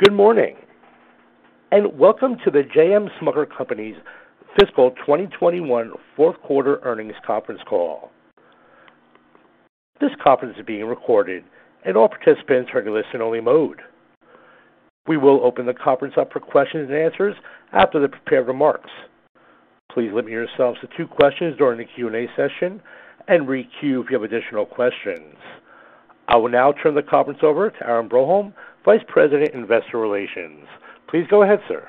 Good morning, and welcome to The J.M. Smucker Company's Fiscal 2021 Fourth Quarter Earnings Conference Call. This conference is being recorded and all participants are in listen-only mode. We will open the conference up for questions-and-answers after the prepared remarks. Please limit yourselves to two questions during the Q&A session and re-queue if you have additional questions. I will now turn the conference over to Aaron Broholm, Vice President, Investor Relations. Please go ahead, sir.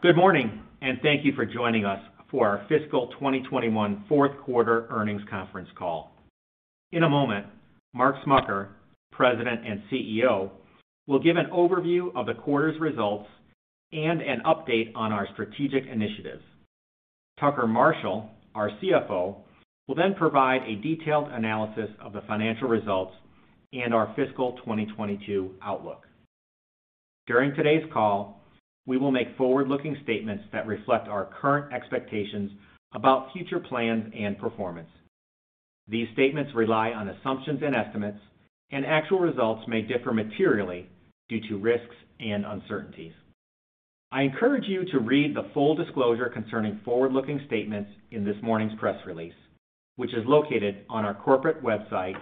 Good morning. Thank you for joining us for our fiscal 2021 fourth quarter earnings conference call. In a moment, Mark Smucker, President and CEO, will give an overview of the quarter's results and an update on our strategic initiatives. Tucker Marshall, our CFO, will provide a detailed analysis of the financial results and our fiscal 2022 outlook. During today's call, we will make forward-looking statements that reflect our current expectations about future plans and performance. These statements rely on assumptions and estimates. Actual results may differ materially due to risks and uncertainties. I encourage you to read the full disclosure concerning forward-looking statements in this morning's press release, which is located on our corporate website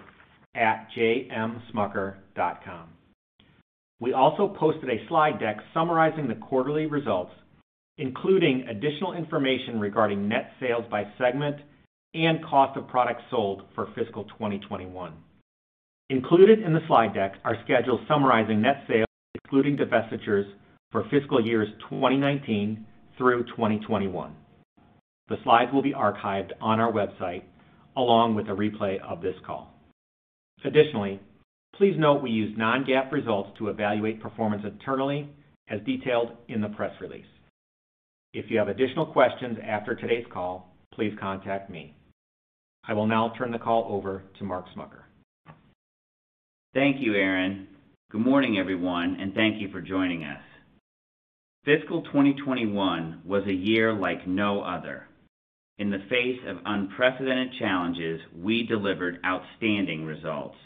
at jmsmucker.com. We also posted a slide deck summarizing the quarterly results, including additional information regarding net sales by segment and cost of products sold for fiscal 2021. Included in the slide deck are schedules summarizing net sales, excluding divestitures for fiscal years 2019 through 2021. The slides will be archived on our website along with a replay of this call. Additionally, please note we use non-GAAP results to evaluate performance internally, as detailed in the press release. If you have additional questions after today's call, please contact me. I will now turn the call over to Mark Smucker. Thank you, Aaron. Good morning, everyone, and thank you for joining us. Fiscal 2021 was a year like no other. In the face of unprecedented challenges, we delivered outstanding results.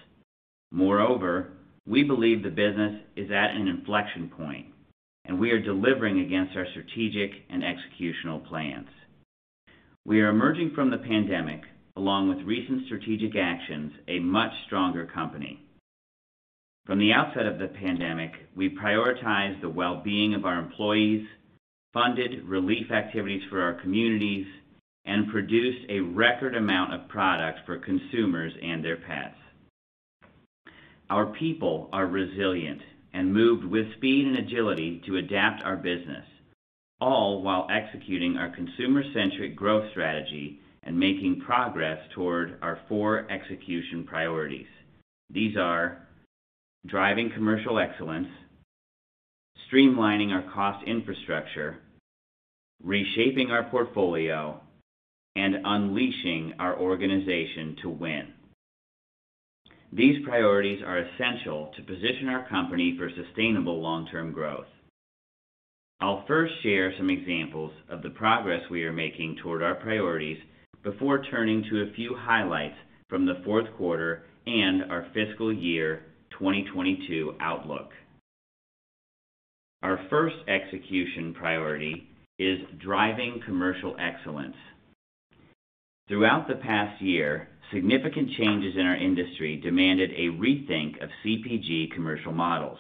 Moreover, we believe the business is at an inflection point, and we are delivering against our strategic and executional plans. We are emerging from the pandemic, along with recent strategic actions, a much stronger company. From the outset of the pandemic, we prioritized the well-being of our employees, funded relief activities for our communities, and produced a record amount of product for consumers and their pets. Our people are resilient and moved with speed and agility to adapt our business, all while executing our consumer-centric growth strategy and making progress toward our four execution priorities. These are driving commercial excellence, streamlining our cost infrastructure, reshaping our portfolio, and unleashing our organization to win. These priorities are essential to position our company for sustainable long-term growth. I'll first share some examples of the progress we are making toward our priorities before turning to a few highlights from the fourth quarter and our fiscal year 2022 outlook. Our first execution priority is driving commercial excellence. Throughout the past year, significant changes in our industry demanded a rethink of CPG commercial models.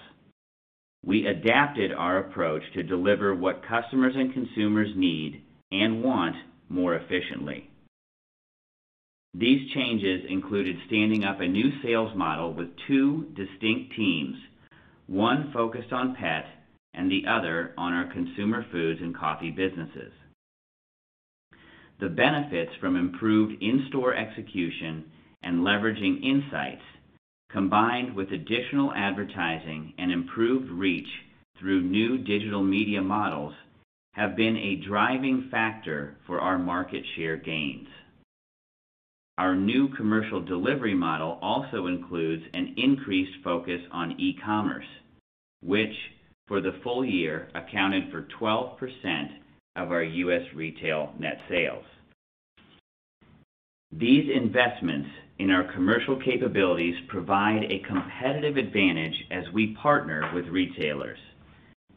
We adapted our approach to deliver what customers and consumers need and want more efficiently. These changes included standing up a new sales model with two distinct teams, one focused on pet and the other on our consumer foods and coffee businesses. The benefits from improved in-store execution and leveraging insights, combined with additional advertising and improved reach through new digital media models, have been a driving factor for our market share gains. Our new commercial delivery model also includes an increased focus on e-commerce, which for the full year accounted for 12% of our U.S. retail net sales. These investments in our commercial capabilities provide a competitive advantage as we partner with retailers.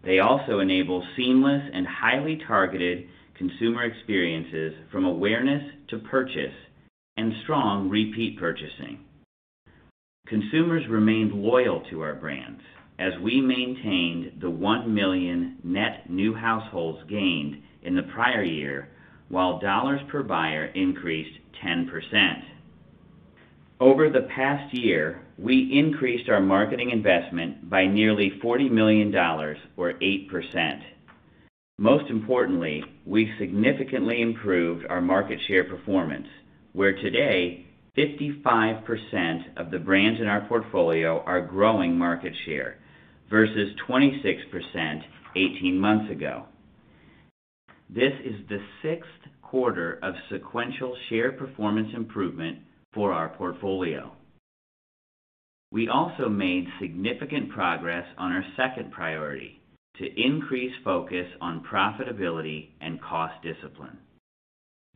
They also enable seamless and highly targeted consumer experiences from awareness to purchase and strong repeat purchasing. Consumers remained loyal to our brands as we maintained the 1 million net new households gained in the prior year, while dollars per buyer increased 10%. Over the past year, we increased our marketing investment by nearly $40 million or 8%. Most importantly, we significantly improved our market share performance, where today 55% of the brands in our portfolio are growing market share versus 26% 18 months ago. This is the sixth quarter of sequential share performance improvement for our portfolio. We also made significant progress on our second priority to increase focus on profitability and cost discipline.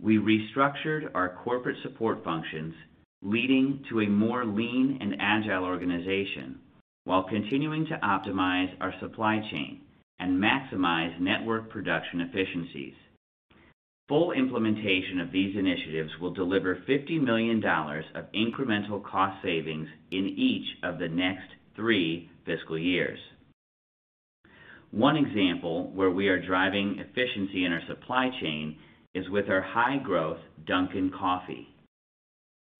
We restructured our corporate support functions, leading to a more lean and agile organization, while continuing to optimize our supply chain and maximize network production efficiencies. Full implementation of these initiatives will deliver $50 million of incremental cost savings in each of the next three fiscal years. One example where we are driving efficiency in our supply chain is with our high-growth Dunkin' coffee.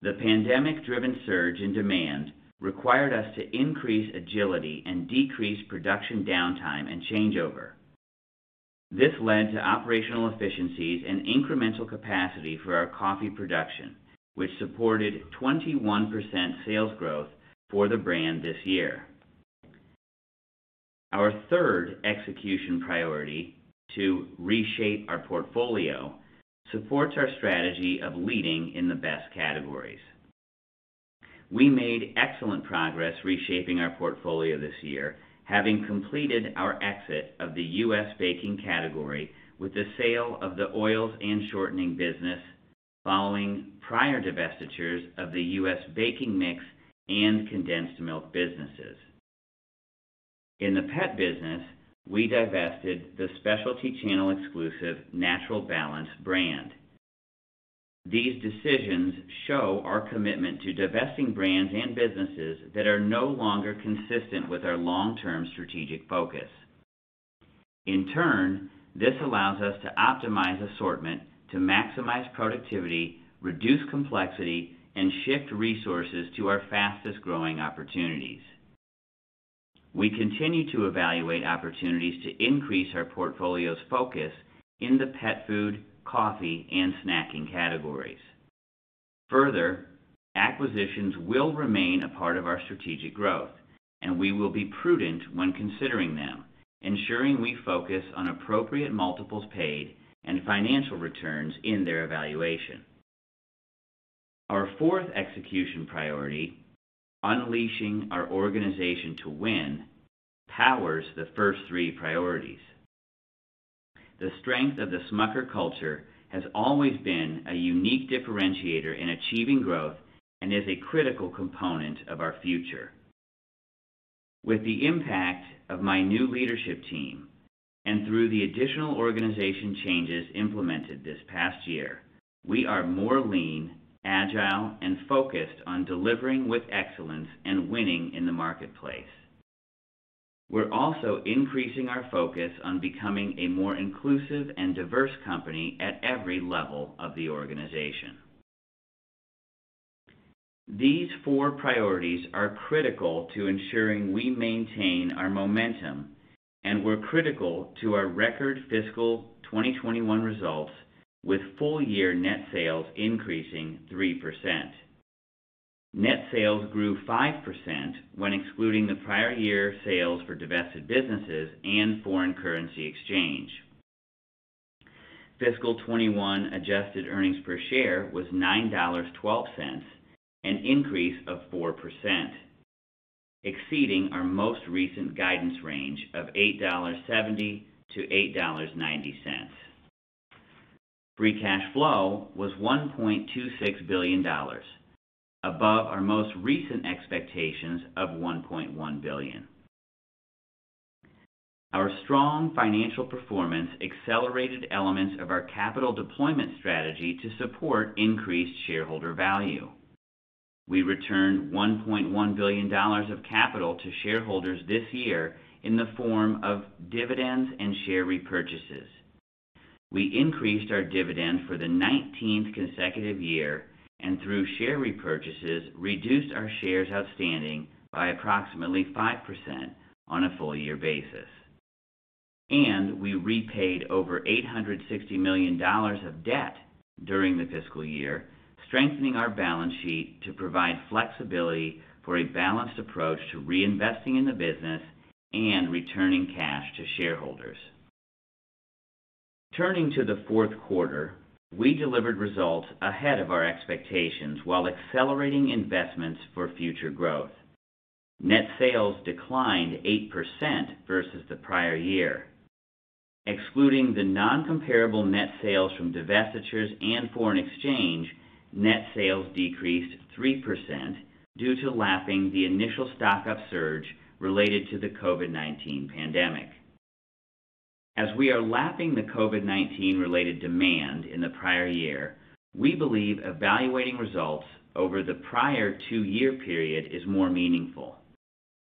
The pandemic-driven surge in demand required us to increase agility and decrease production downtime and changeover. This led to operational efficiencies and incremental capacity for our coffee production, which supported 21% sales growth for the brand this year. Our third execution priority, to reshape our portfolio, supports our strategy of leading in the best categories. We made excellent progress reshaping our portfolio this year, having completed our exit of the U.S. baking category with the sale of the oils and shortening business, following prior divestitures of the U.S. baking mix and condensed milk businesses. In the pet business, we divested the specialty channel exclusive Natural Balance brand. These decisions show our commitment to divesting brands and businesses that are no longer consistent with our long-term strategic focus. In turn, this allows us to optimize assortment to maximize productivity, reduce complexity, and shift resources to our fastest-growing opportunities. We continue to evaluate opportunities to increase our portfolio's focus in the pet food, coffee, and snacking categories. Acquisitions will remain a part of our strategic growth, and we will be prudent when considering them, ensuring we focus on appropriate multiples paid and financial returns in their evaluation. Our fourth execution priority, unleashing our organization to win, powers the first three priorities. The strength of the Smucker culture has always been a unique differentiator in achieving growth and is a critical component of our future. With the impact of my new leadership team and through the additional organization changes implemented this past year, we are more lean, agile, and focused on delivering with excellence and winning in the marketplace. We're also increasing our focus on becoming a more inclusive and diverse company at every level of the organization. These four priorities are critical to ensuring we maintain our momentum, and were critical to our record fiscal 2021 results, with full-year net sales increasing 3%. Net sales grew 5% when excluding the prior year sales for divested businesses and foreign currency exchange. Fiscal 2021 adjusted earnings per share was $9.12, an increase of 4%, exceeding our most recent guidance range of $8.70-$8.90. Free cash flow was $1.26 billion, above our most recent expectations of $1.1 billion. Our strong financial performance accelerated elements of our capital deployment strategy to support increased shareholder value. We returned $1.1 billion of capital to shareholders this year in the form of dividends and share repurchases. We increased our dividend for the 19th consecutive year, and through share repurchases, reduced our shares outstanding by approximately 5% on a full-year basis. We repaid over $860 million of debt during the fiscal year, strengthening our balance sheet to provide flexibility for a balanced approach to reinvesting in the business and returning cash to shareholders. Turning to the fourth quarter, we delivered results ahead of our expectations while accelerating investments for future growth. Net sales declined 8% versus the prior year. Excluding the non-comparable net sales from divestitures and foreign exchange, net sales decreased 3% due to lapping the initial stock-up surge related to the COVID-19 pandemic. As we are lapping the COVID-19 related demand in the prior year, we believe evaluating results over the prior two-year period is more meaningful.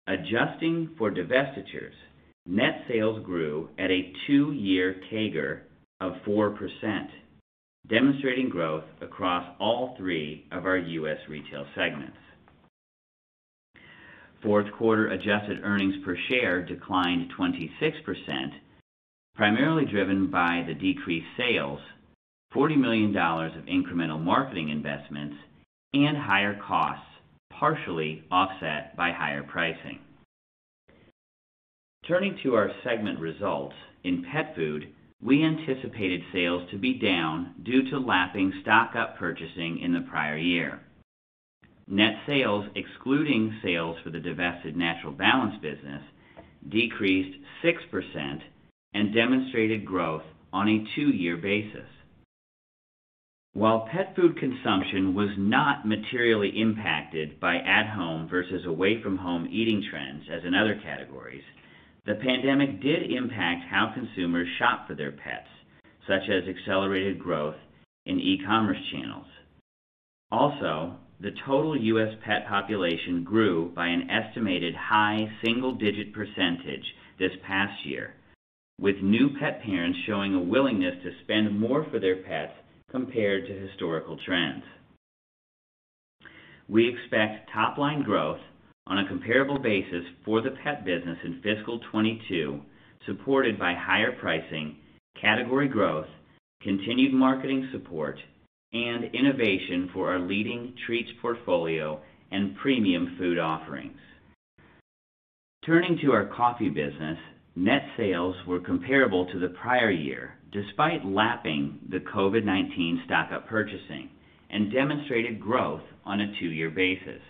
Adjusting for divestitures, net sales grew at a two-year CAGR of 4%, demonstrating growth across all three of our U.S. retail segments. Fourth quarter adjusted earnings per share declined 26%, primarily driven by the decreased sales, $40 million of incremental marketing investments, and higher costs, partially offset by higher pricing. Turning to our segment results, in pet food, we anticipated sales to be down due to lapping stock-up purchasing in the prior year. Net sales, excluding sales for the divested Natural Balance business, decreased 6% and demonstrated growth on a two-year basis. While pet food consumption was not materially impacted by at-home versus away-from-home eating trends as in other categories, the pandemic did impact how consumers shop for their pets, such as accelerated growth in e-commerce channels. Also, the total U.S. pet population grew by an estimated high single-digit percentage this past year, with new pet parents showing a willingness to spend more for their pets compared to historical trends. We expect top line growth on a comparable basis for the pet business in fiscal 2022, supported by higher pricing, category growth, continued marketing support, and innovation for our leading treats portfolio and premium food offerings. Turning to our coffee business, net sales were comparable to the prior year, despite lapping the COVID-19 stock-up purchasing, and demonstrated growth on a two-year basis.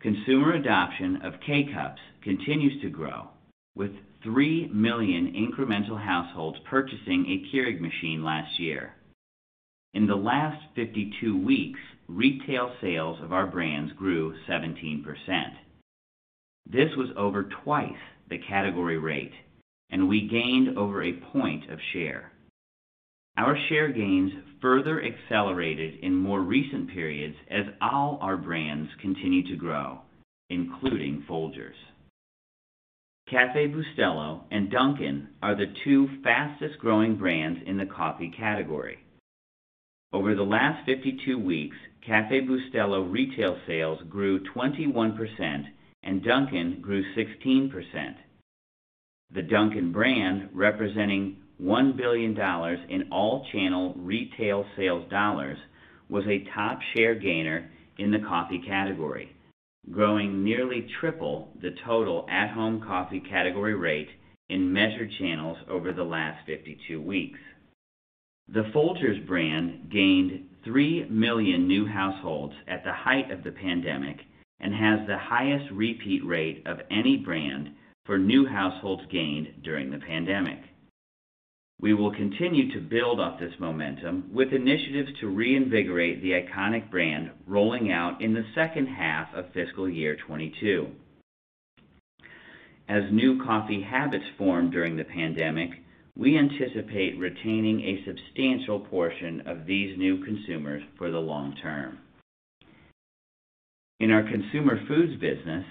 Consumer adoption of K-Cups continues to grow, with 3 million incremental households purchasing a Keurig machine last year. In the last 52 weeks, retail sales of our brands grew 17%. This was over twice the category rate, and we gained over a point of share. Our share gains further accelerated in more recent periods as all our brands continued to grow, including Folgers. Café Bustelo and Dunkin' are the two fastest growing brands in the coffee category. Over the last 52 weeks, Café Bustelo retail sales grew 21% and Dunkin' grew 16%. The Dunkin' brand, representing $1 billion in all channel retail sales dollars, was a top share gainer in the coffee category, growing nearly triple the total at-home coffee category rate in measured channels over the last 52 weeks. The Folgers brand gained 3 million new households at the height of the pandemic and has the highest repeat rate of any brand for new households gained during the pandemic. We will continue to build off this momentum with initiatives to reinvigorate the iconic brand rolling out in the second half of fiscal year 2022. As new coffee habits formed during the pandemic, we anticipate retaining a substantial portion of these new consumers for the long term. In our consumer foods business,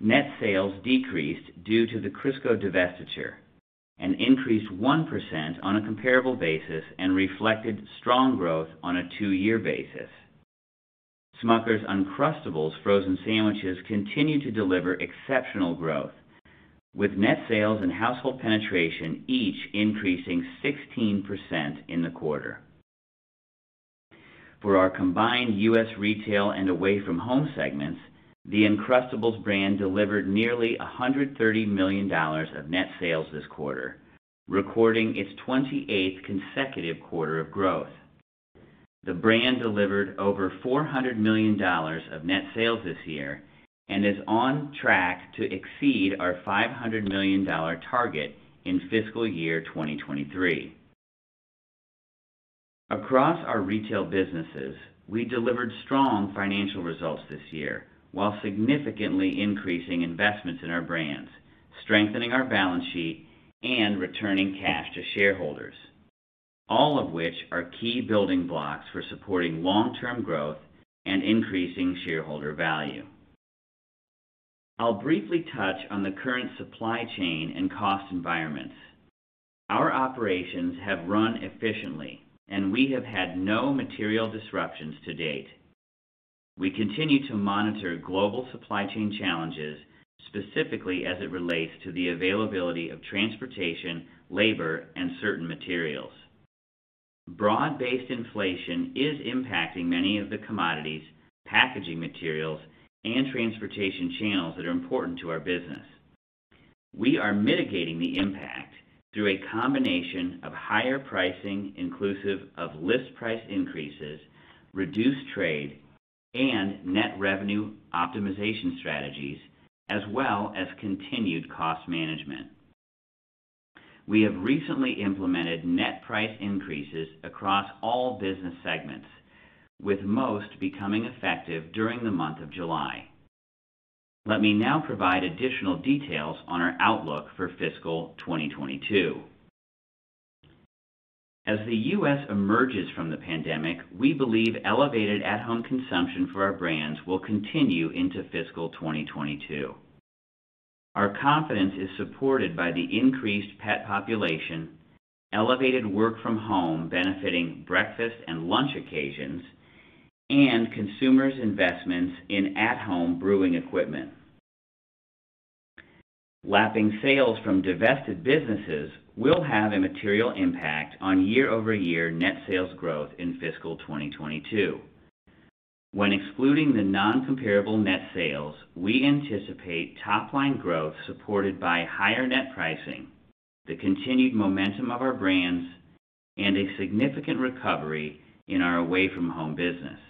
net sales decreased due to the Crisco divestiture, and increased 1% on a comparable basis and reflected strong growth on a two-year basis. Smucker's Uncrustables frozen sandwiches continue to deliver exceptional growth, with net sales and household penetration each increasing 16% in the quarter. For our combined U.S. retail and away-from-home segments, the Uncrustables brand delivered nearly $130 million of net sales this quarter, recording its 28th consecutive quarter of growth. The brand delivered over $400 million of net sales this year and is on track to exceed our $500 million target in fiscal year 2023. Across our retail businesses, we delivered strong financial results this year while significantly increasing investments in our brands, strengthening our balance sheet, and returning cash to shareholders, all of which are key building blocks for supporting long-term growth and increasing shareholder value. I'll briefly touch on the current supply chain and cost environments. Our operations have run efficiently, and we have had no material disruptions to date. We continue to monitor global supply chain challenges, specifically as it relates to the availability of transportation, labor, and certain materials. Broad-based inflation is impacting many of the commodities, packaging materials, and transportation channels that are important to our business. We are mitigating the impact through a combination of higher pricing, inclusive of list price increases, reduced trade, and net revenue optimization strategies, as well as continued cost management. We have recently implemented net price increases across all business segments, with most becoming effective during the month of July. Let me now provide additional details on our outlook for fiscal 2022. As the U.S. emerges from the pandemic, we believe elevated at-home consumption for our brands will continue into fiscal 2022. Our confidence is supported by the increased pet population, elevated work from home benefiting breakfast and lunch occasions, and consumers' investments in at-home brewing equipment. Lapping sales from divested businesses will have a material impact on year-over-year net sales growth in fiscal 2022. When excluding the non-comparable net sales, we anticipate top line growth supported by higher net pricing, the continued momentum of our brands and a significant recovery in our away-from-home business.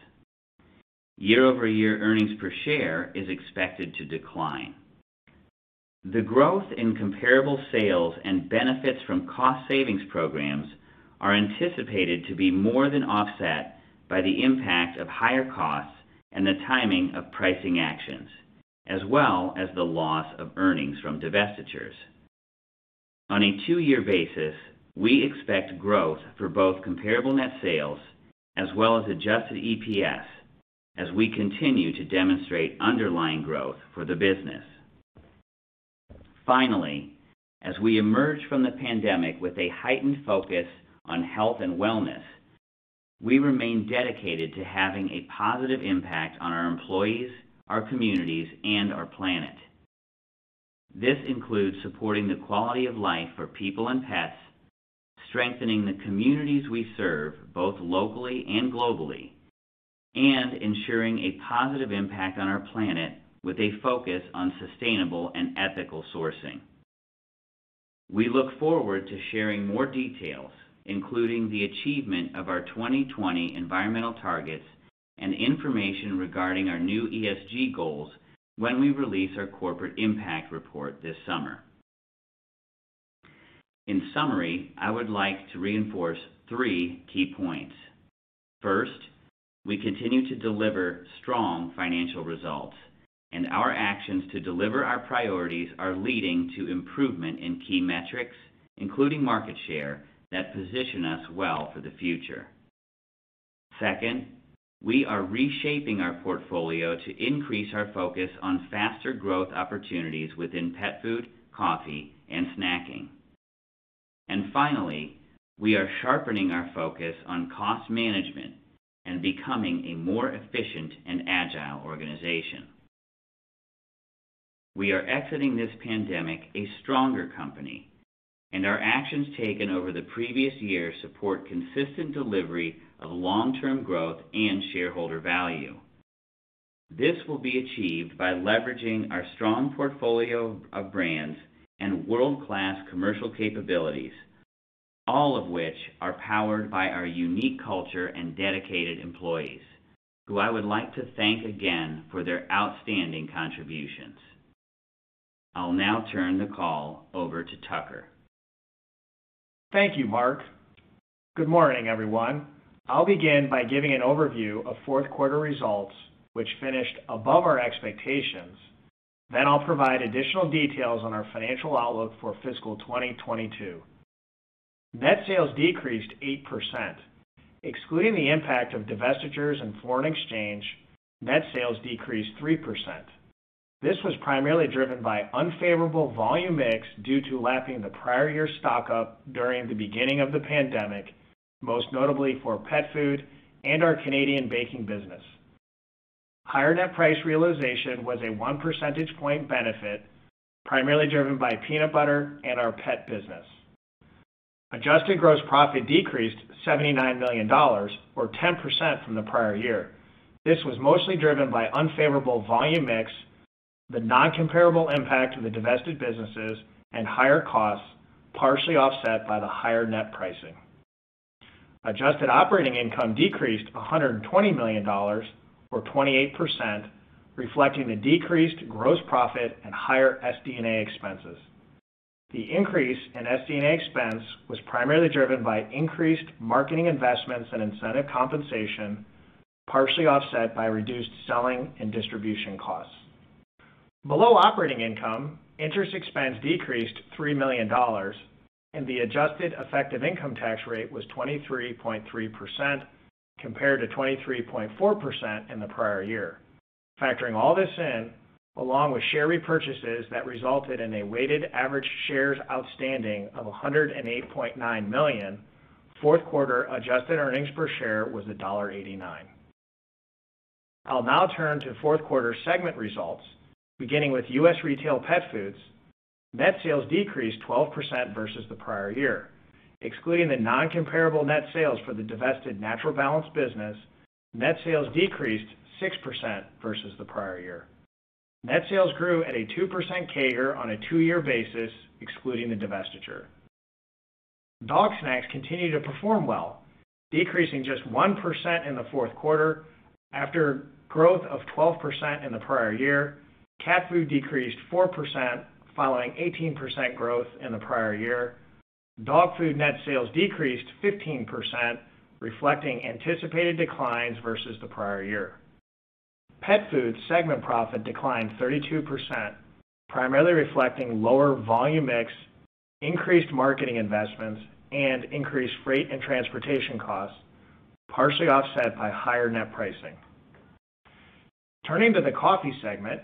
Year-over-year earnings per share is expected to decline. The growth in comparable sales and benefits from cost savings programs are anticipated to be more than offset by the impact of higher costs and the timing of pricing actions, as well as the loss of earnings from divestitures. On a two-year basis, we expect growth for both comparable net sales as well as adjusted EPS as we continue to demonstrate underlying growth for the business. Finally, as we emerge from the pandemic with a heightened focus on health and wellness, we remain dedicated to having a positive impact on our employees, our communities, and our planet. This includes supporting the quality of life for people and pets, strengthening the communities we serve both locally and globally, and ensuring a positive impact on our planet with a focus on sustainable and ethical sourcing. We look forward to sharing more details, including the achievement of our 2020 environmental targets and information regarding our new ESG goals when we release our corporate impact report this summer. In summary, I would like to reinforce three key points. First, we continue to deliver strong financial results, and our actions to deliver our priorities are leading to improvement in key metrics, including market share, that position us well for the future. Second, we are reshaping our portfolio to increase our focus on faster growth opportunities within pet food, coffee, and snacking. Finally, we are sharpening our focus on cost management and becoming a more efficient and agile organization. We are exiting this pandemic a stronger company, and our actions taken over the previous year support consistent delivery of long-term growth and shareholder value. This will be achieved by leveraging our strong portfolio of brands and world-class commercial capabilities, all of which are powered by our unique culture and dedicated employees, who I would like to thank again for their outstanding contributions. I'll now turn the call over to Tucker. Thank you, Mark. Good morning, everyone. I'll begin by giving an overview of fourth quarter results, which finished above our expectations. I'll provide additional details on our financial outlook for fiscal 2022. Net sales decreased 8%. Excluding the impact of divestitures and foreign exchange, net sales decreased 3%. This was primarily driven by unfavorable volume mix due to lapping the prior year stock-up during the beginning of the pandemic, most notably for pet food and our Canadian baking business. Higher net price realization was a 1 percentage point benefit, primarily driven by peanut butter and our pet business. Adjusted gross profit decreased $79 million, or 10% from the prior year. This was mostly driven by unfavorable volume mix, the non-comparable impact of the divested businesses, and higher costs, partially offset by the higher net pricing. Adjusted operating income decreased $120 million or 28%, reflecting the decreased gross profit and higher SD&A expenses. The increase in SD&A expense was primarily driven by increased marketing investments and incentive compensation, partially offset by reduced selling and distribution costs. Below operating income, interest expense decreased $3 million, and the adjusted effective income tax rate was 23.3% compared to 23.4% in the prior year. Factoring all this in, along with share repurchases that resulted in a weighted average shares outstanding of 108.9 million, fourth quarter adjusted earnings per share was $1.89. I'll now turn to fourth quarter segment results, beginning with U.S. retail pet foods. Net sales decreased 12% versus the prior year. Excluding the non-comparable net sales for the divested Natural Balance business, net sales decreased 6% versus the prior year. Net sales grew at a 2% CAGR on a two-year basis, excluding the divestiture. Dog snacks continued to perform well, decreasing just 1% in the fourth quarter after growth of 12% in the prior year. Cat food decreased 4%, following 18% growth in the prior year. Dog food net sales decreased 15%, reflecting anticipated declines versus the prior year. Pet food segment profit declined 32%, primarily reflecting lower volume mix, increased marketing investments, and increased freight and transportation costs, partially offset by higher net pricing. Turning to the coffee segment,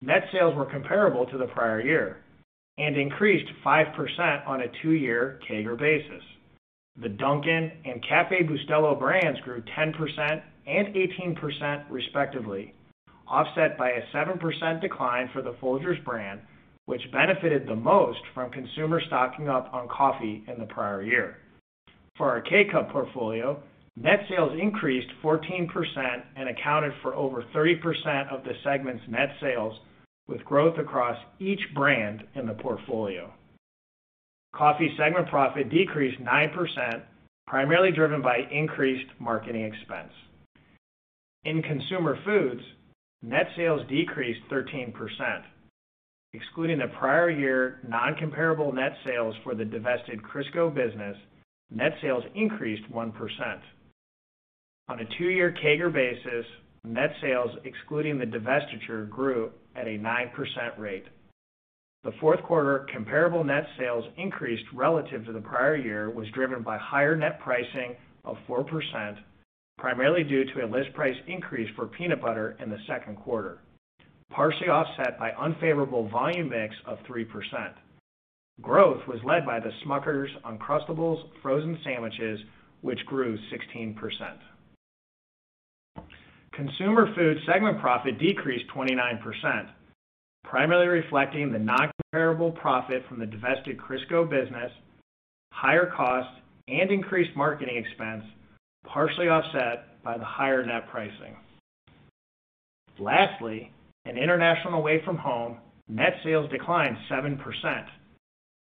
net sales were comparable to the prior year and increased 5% on a two-year CAGR basis. The Dunkin' and Café Bustelo brands grew 10% and 18%, respectively, offset by a 7% decline for the Folgers brand, which benefited the most from consumer stocking up on coffee in the prior year. For our K-Cup portfolio, net sales increased 14% and accounted for over 30% of the segment's net sales, with growth across each brand in the portfolio. Coffee segment profit decreased 9%, primarily driven by increased marketing expense. In Consumer Foods, net sales decreased 13%, excluding the prior year non-comparable net sales for the divested Crisco business, net sales increased 1%. On a two-year CAGR basis, net sales excluding the divestiture grew at a 9% rate. The fourth quarter comparable net sales increased relative to the prior year was driven by higher net pricing of 4%, primarily due to a list price increase for peanut butter in the second quarter, partially offset by unfavorable volume mix of 3%. Growth was led by the Smucker's Uncrustables frozen sandwiches, which grew 16%. Consumer Food segment profit decreased 29%, primarily reflecting the non-comparable profit from the divested Crisco business, higher costs, and increased marketing expense, partially offset by the higher net pricing. Lastly, in International and Away From Home, net sales declined 7%,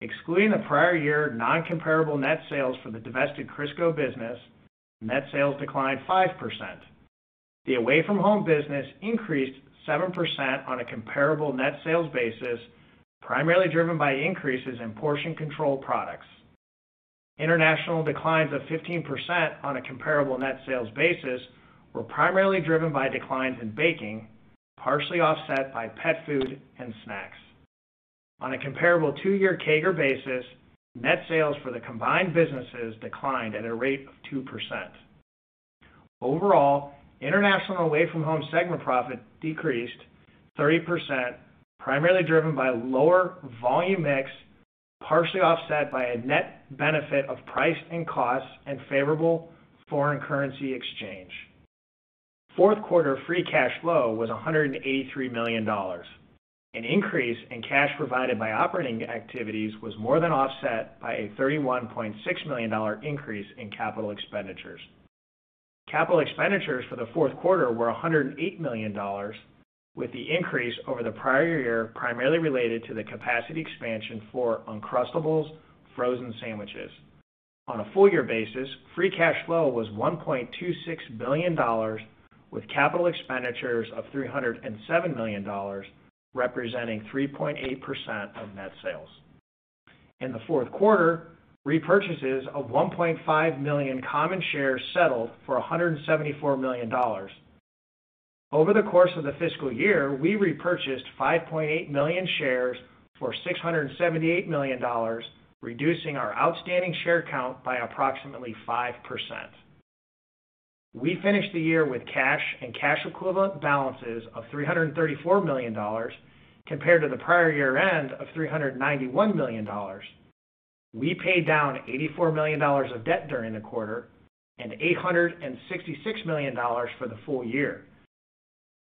excluding the prior year non-comparable net sales for the divested Crisco business, net sales declined 5%. The Away From Home business increased 7% on a comparable net sales basis, primarily driven by increases in portion control products. International declines of 15% on a comparable net sales basis were primarily driven by declines in baking, partially offset by pet food and snacks. On a comparable two-year CAGR basis, net sales for the combined businesses declined at a rate of 2%. Overall, International and Away From Home segment profit decreased 30%, primarily driven by lower volume mix, partially offset by a net benefit of price and costs and favorable foreign currency exchange. Fourth quarter free cash flow was $183 million. An increase in cash provided by operating activities was more than offset by a $31.6 million increase in capital expenditures. Capital expenditures for the fourth quarter were $108 million, with the increase over the prior year primarily related to the capacity expansion for Uncrustables frozen sandwiches. On a full year basis, free cash flow was $1.26 billion, with capital expenditures of $307 million, representing 3.8% of net sales. In the fourth quarter, repurchases of 1.5 million common shares settled for $174 million. Over the course of the fiscal year, we repurchased 5.8 million shares for $678 million, reducing our outstanding share count by approximately 5%. We finished the year with cash and cash equivalent balances of $334 million, compared to the prior year end of $391 million. We paid down $84 million of debt during the quarter and $866 million for the full year,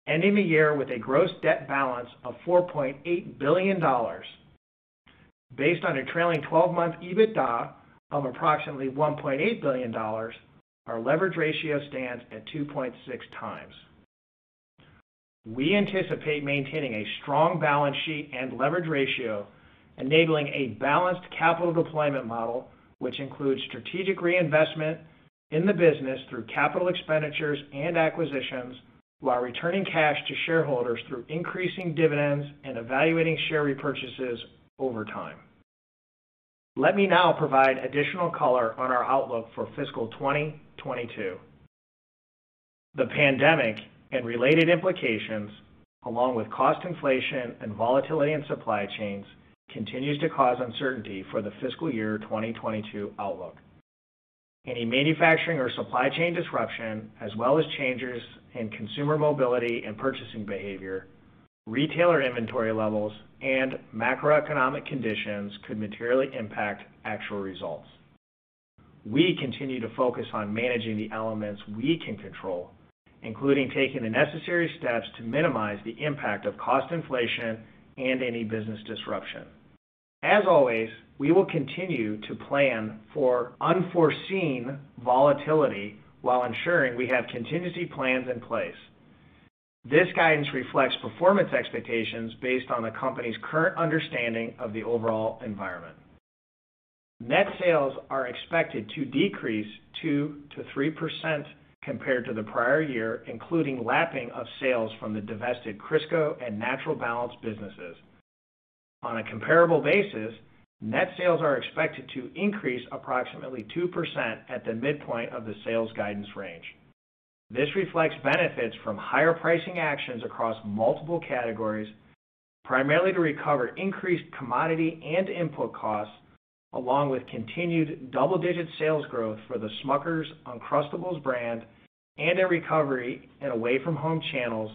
ending the year with a gross debt balance of $4.8 billion. Based on a trailing 12-month EBITDA of approximately $1.8 billion, our leverage ratio stands at 2.6x. We anticipate maintaining a strong balance sheet and leverage ratio, enabling a balanced capital deployment model, which includes strategic reinvestment in the business through capital expenditures and acquisitions while returning cash to shareholders through increasing dividends and evaluating share repurchases over time. Let me now provide additional color on our outlook for fiscal 2022. The pandemic and related implications, along with cost inflation and volatility in supply chains, continues to cause uncertainty for the fiscal year 2022 outlook. Any manufacturing or supply chain disruption, as well as changes in consumer mobility and purchasing behavior, retailer inventory levels, and macroeconomic conditions could materially impact actual results. We continue to focus on managing the elements we can control, including taking the necessary steps to minimize the impact of cost inflation and any business disruption. As always, we will continue to plan for unforeseen volatility while ensuring we have contingency plans in place. This guidance reflects performance expectations based on the company's current understanding of the overall environment. Net sales are expected to decrease 2%-3% compared to the prior year, including lapping of sales from the divested Crisco and Natural Balance businesses. On a comparable basis, net sales are expected to increase approximately 2% at the midpoint of the sales guidance range. This reflects benefits from higher pricing actions across multiple categories, primarily to recover increased commodity and input costs, along with continued double-digit sales growth for the Smucker's Uncrustables brand and a recovery in away from home channels,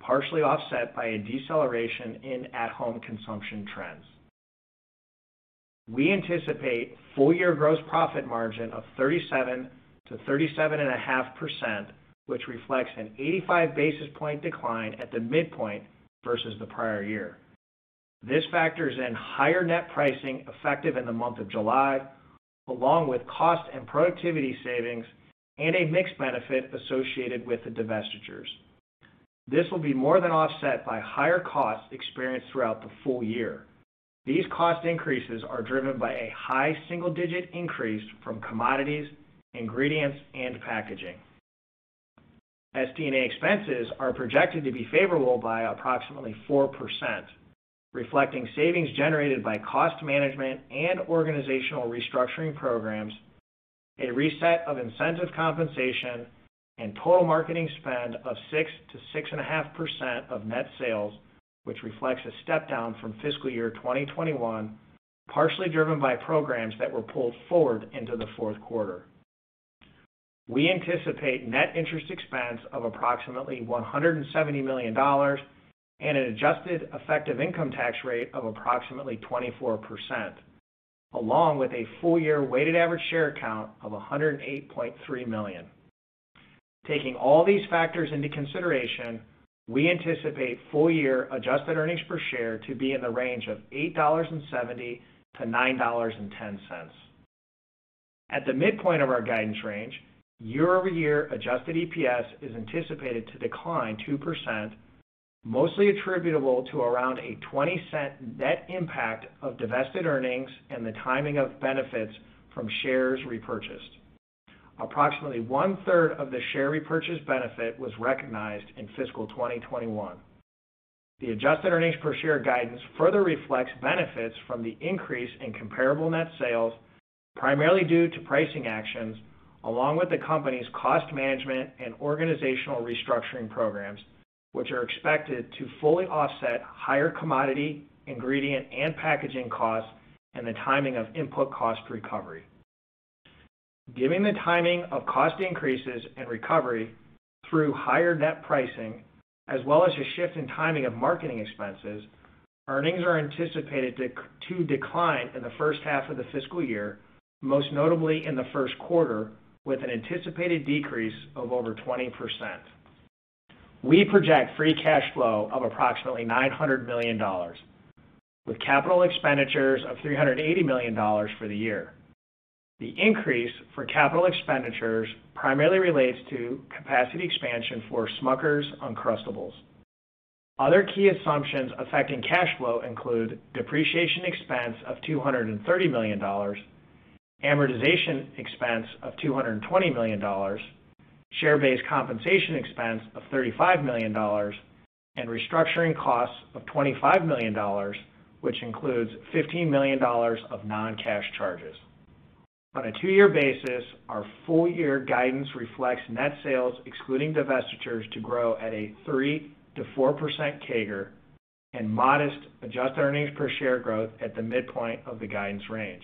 partially offset by a deceleration in at-home consumption trends. We anticipate full year gross profit margin of 37%-37.5%, which reflects an 85 basis point decline at the midpoint versus the prior year. This factors in higher net pricing effective in the month of July, along with cost and productivity savings, and a mix benefit associated with the divestitures. This will be more than offset by higher costs experienced throughout the full year. These cost increases are driven by a high single-digit increase from commodities, ingredients, and packaging. SD&A expenses are projected to be favorable by approximately 4%, reflecting savings generated by cost management and organizational restructuring programs, a reset of incentive compensation, and total marketing spend of 6%-6.5% of net sales, which reflects a step-down from fiscal year 2021, partially driven by programs that were pulled forward into the fourth quarter. We anticipate net interest expense of approximately $170 million and an adjusted effective income tax rate of approximately 24%, along with a full-year weighted average share count of 108.3 million. Taking all these factors into consideration, we anticipate full-year adjusted earnings per share to be in the range of $8.70-$9.10. At the midpoint of our guidance range, year-over-year adjusted EPS is anticipated to decline 2%, mostly attributable to around a $0.20 net impact of divested earnings and the timing of benefits from shares repurchased. Approximately 1/3 of the share repurchase benefit was recognized in fiscal 2021. The adjusted earnings per share guidance further reflects benefits from the increase in comparable net sales, primarily due to pricing actions, along with the company's cost management and organizational restructuring programs, which are expected to fully offset higher commodity, ingredient, and packaging costs and the timing of input cost recovery. Given the timing of cost increases and recovery through higher net pricing, as well as a shift in timing of marketing expenses, earnings are anticipated to decline in the first half of the fiscal year, most notably in the first quarter, with an anticipated decrease of over 20%. We project free cash flow of approximately $900 million, with capital expenditures of $380 million for the year. The increase for capital expenditures primarily relates to capacity expansion for Smucker's Uncrustables. Other key assumptions affecting cash flow include depreciation expense of $230 million, amortization expense of $220 million, share-based compensation expense of $35 million, and restructuring costs of $25 million, which includes $15 million of non-cash charges. On a two-year basis, our full-year guidance reflects net sales excluding divestitures to grow at a 3%-4% CAGR and modest adjusted earnings per share growth at the midpoint of the guidance range.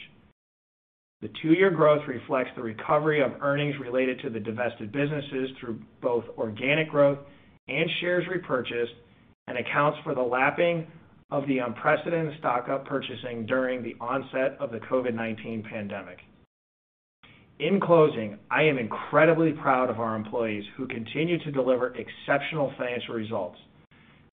The two-year growth reflects the recovery of earnings related to the divested businesses through both organic growth and shares repurchased and accounts for the lapping of the unprecedented stock purchasing during the onset of the COVID-19 pandemic. In closing, I am incredibly proud of our employees who continue to deliver exceptional financial results.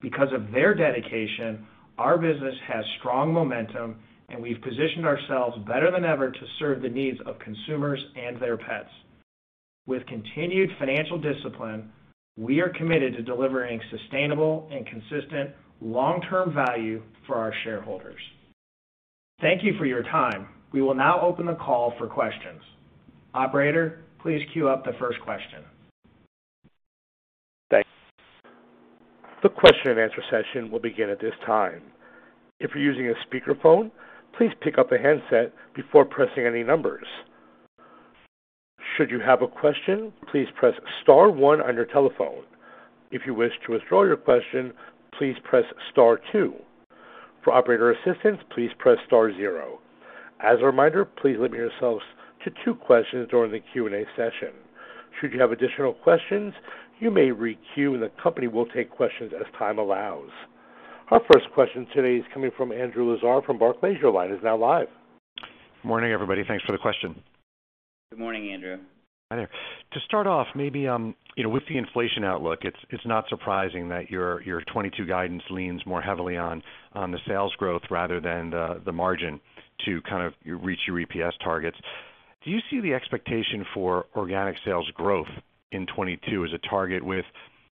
Because of their dedication, our business has strong momentum, and we've positioned ourselves better than ever to serve the needs of consumers and their pets. With continued financial discipline, we are committed to delivering sustainable and consistent long-term value for our shareholders. Thank you for your time. We will now open the call for questions. Operator, please queue up the first question. Thanks. The question-and-answer session will begin at this time. If you're using a speakerphone, please pick up the handset before pressing any numbers. Should you have a question, please press star one on your telephone. If you wish to withdraw your question, please press star two. For operator assistance, please press star zero. As a reminder, please limit yourselves to two questions during the Q&A session. Should you have additional questions, you may re-queue, and the company will take questions as time allows. Our first question today is coming from Andrew Lazar from Barclays. Your line is now live. Morning, everybody. Thanks for the question. Good morning, Andrew. To start off, maybe with the inflation outlook, it's not surprising that your 2022 guidance leans more heavily on the sales growth rather than the margin to kind of reach your EPS targets. Do you see the expectation for organic sales growth in 2022 as a target with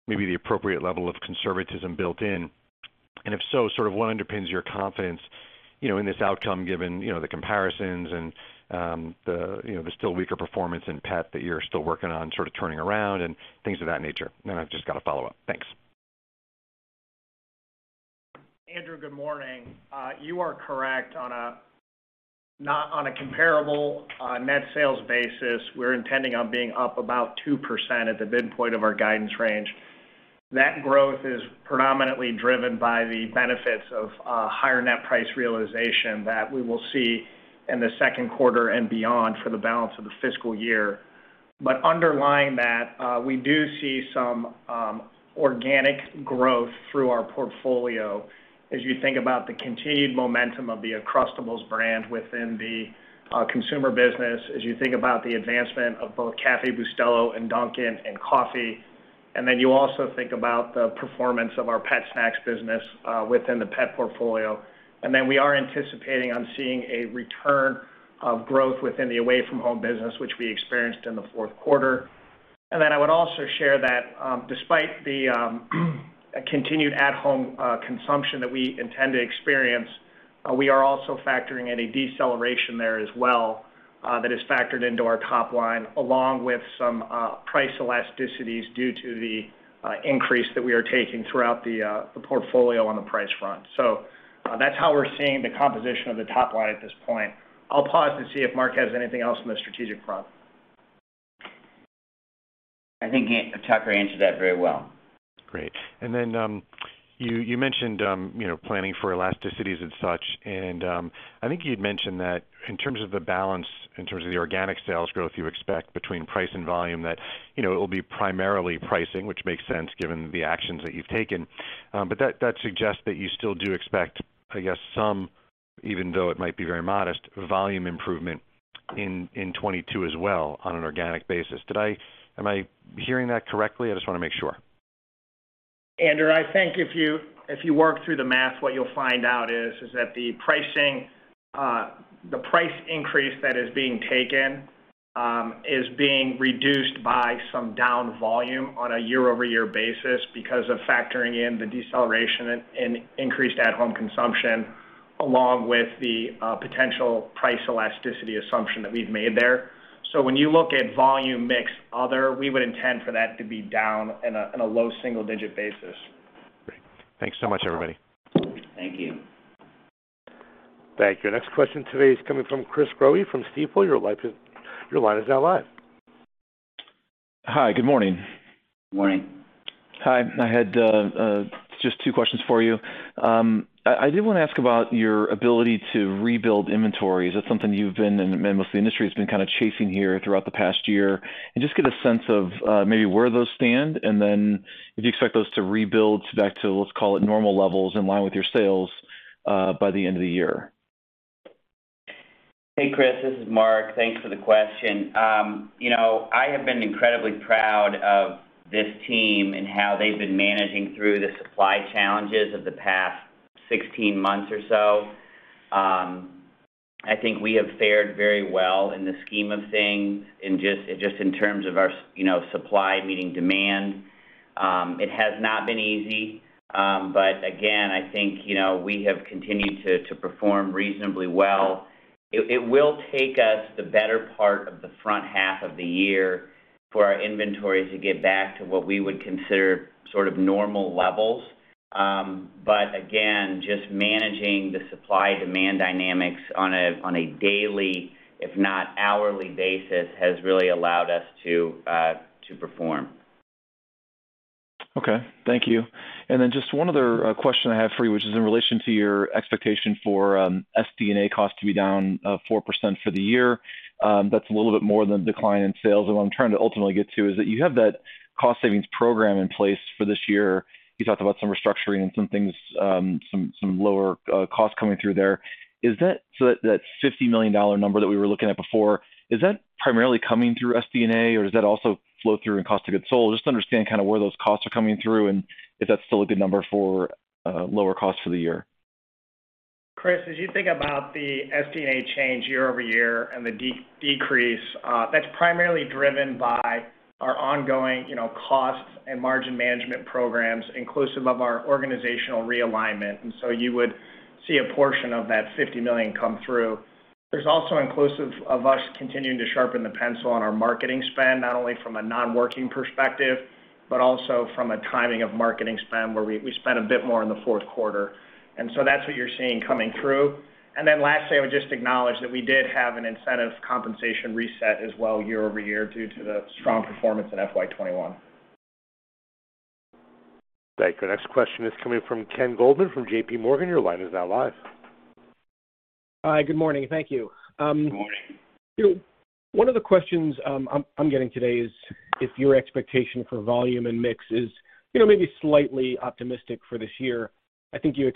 maybe the appropriate level of conservatism built in? If so, what underpins your confidence in this outcome, given the comparisons and the still weaker performance in Pet that you're still working on turning around and things of that nature? I've just got a follow-up. Thanks. Andrew, good morning. You are correct. On a comparable net sales basis, we're intending on being up about 2% at the midpoint of our guidance range. That growth is predominantly driven by the benefits of higher net price realization that we will see in the second quarter and beyond for the balance of the fiscal year. Underlying that, we do see some organic growth through our portfolio as you think about the continued momentum of the Uncrustables brand within the consumer business, as you think about the advancement of both Café Bustelo and Dunkin' in coffee, and then you also think about the performance of our pet snacks business within the pet portfolio. We are anticipating on seeing a return of growth within the away-from-home business, which we experienced in the fourth quarter. I would also share that despite the continued at-home consumption that we intend to experience, we are also factoring in a deceleration there as well that is factored into our top line, along with some price elasticities due to the increase that we are taking throughout the portfolio on the price front. That's how we're seeing the composition of the top line at this point. I'll pause and see if Mark has anything else on the strategic front. I think Tucker answered that very well. Great. You mentioned planning for elasticities and such, and I think you'd mentioned that in terms of the balance, in terms of the organic sales growth you expect between price and volume, that it'll be primarily pricing, which makes sense given the actions that you've taken. That suggests that you still do expect, I guess, some, even though it might be very modest, volume improvement in 2022 as well on an organic basis. Am I hearing that correctly? I just want to make sure. Andrew, I think if you work through the math, what you'll find out is that the price increase that is being taken is being reduced by some down volume on a year-over-year basis because of factoring in the deceleration in increased at-home consumption, along with the potential price elasticity assumption that we've made there. When you look at volume mix other, we would intend for that to be down in a low single-digit basis. Great. Thanks so much, everybody. Thank you. Thank you. Next question today is coming from Chris Growe from Stifel. Your line is now live. Hi, good morning. Good morning. Hi, I had just two questions for you. I did want to ask about your ability to rebuild inventory. That's something you've been, and most of the industry has been kind of chasing here throughout the past year, and just get a sense of maybe where those stand, and then do you expect those to rebuild back to, let's call it normal levels in line with your sales by the end of the year? Hey, Chris, this is Mark. Thanks for the question. I have been incredibly proud of this team and how they've been managing through the supply challenges of the past 16 months or so. I think we have fared very well in the scheme of things, just in terms of our supply meeting demand. It has not been easy. Again, I think, we have continued to perform reasonably well. It will take us the better part of the front half of the year for our inventory to get back to what we would consider sort of normal levels. Again, just managing the supply/demand dynamics on a daily, if not hourly basis, has really allowed us to perform. Okay. Thank you. Just one other question I have for you, which is in relation to your expectation for SD&A cost to be down 4% for the year. That's a little bit more than the decline in sales. What I'm trying to ultimately get to is that you have that cost savings program in place for this year. You talked about some restructuring and some things, some lower costs coming through there. Is that $50 million number that we were looking at before, is that primarily coming through SD&A, or does that also flow through in cost of goods sold? Just to understand kind of where those costs are coming through and if that's still a good number for lower costs for the year. Chris, as you think about the SD&A change year-over-year and the decrease, that's primarily driven by our ongoing cost and margin management programs inclusive of our organizational realignment. You would see a portion of that $50 million come through. There's also inclusive of us continuing to sharpen the pencil on our marketing spend, not only from a non-working perspective, but also from a timing of marketing spend, where we spent a bit more in the fourth quarter. That's what you're seeing coming through. Lastly, I would just acknowledge that we did have an incentive compensation reset as well year-over-year due to the strong performance in FY 2021. Thank you. Next question is coming from Ken Goldman from JPMorgan. Your line is now live. Hi, good morning. Thank you. Good morning. One of the questions I'm getting today is if your expectation for volume and mix is maybe slightly optimistic for this year. I think you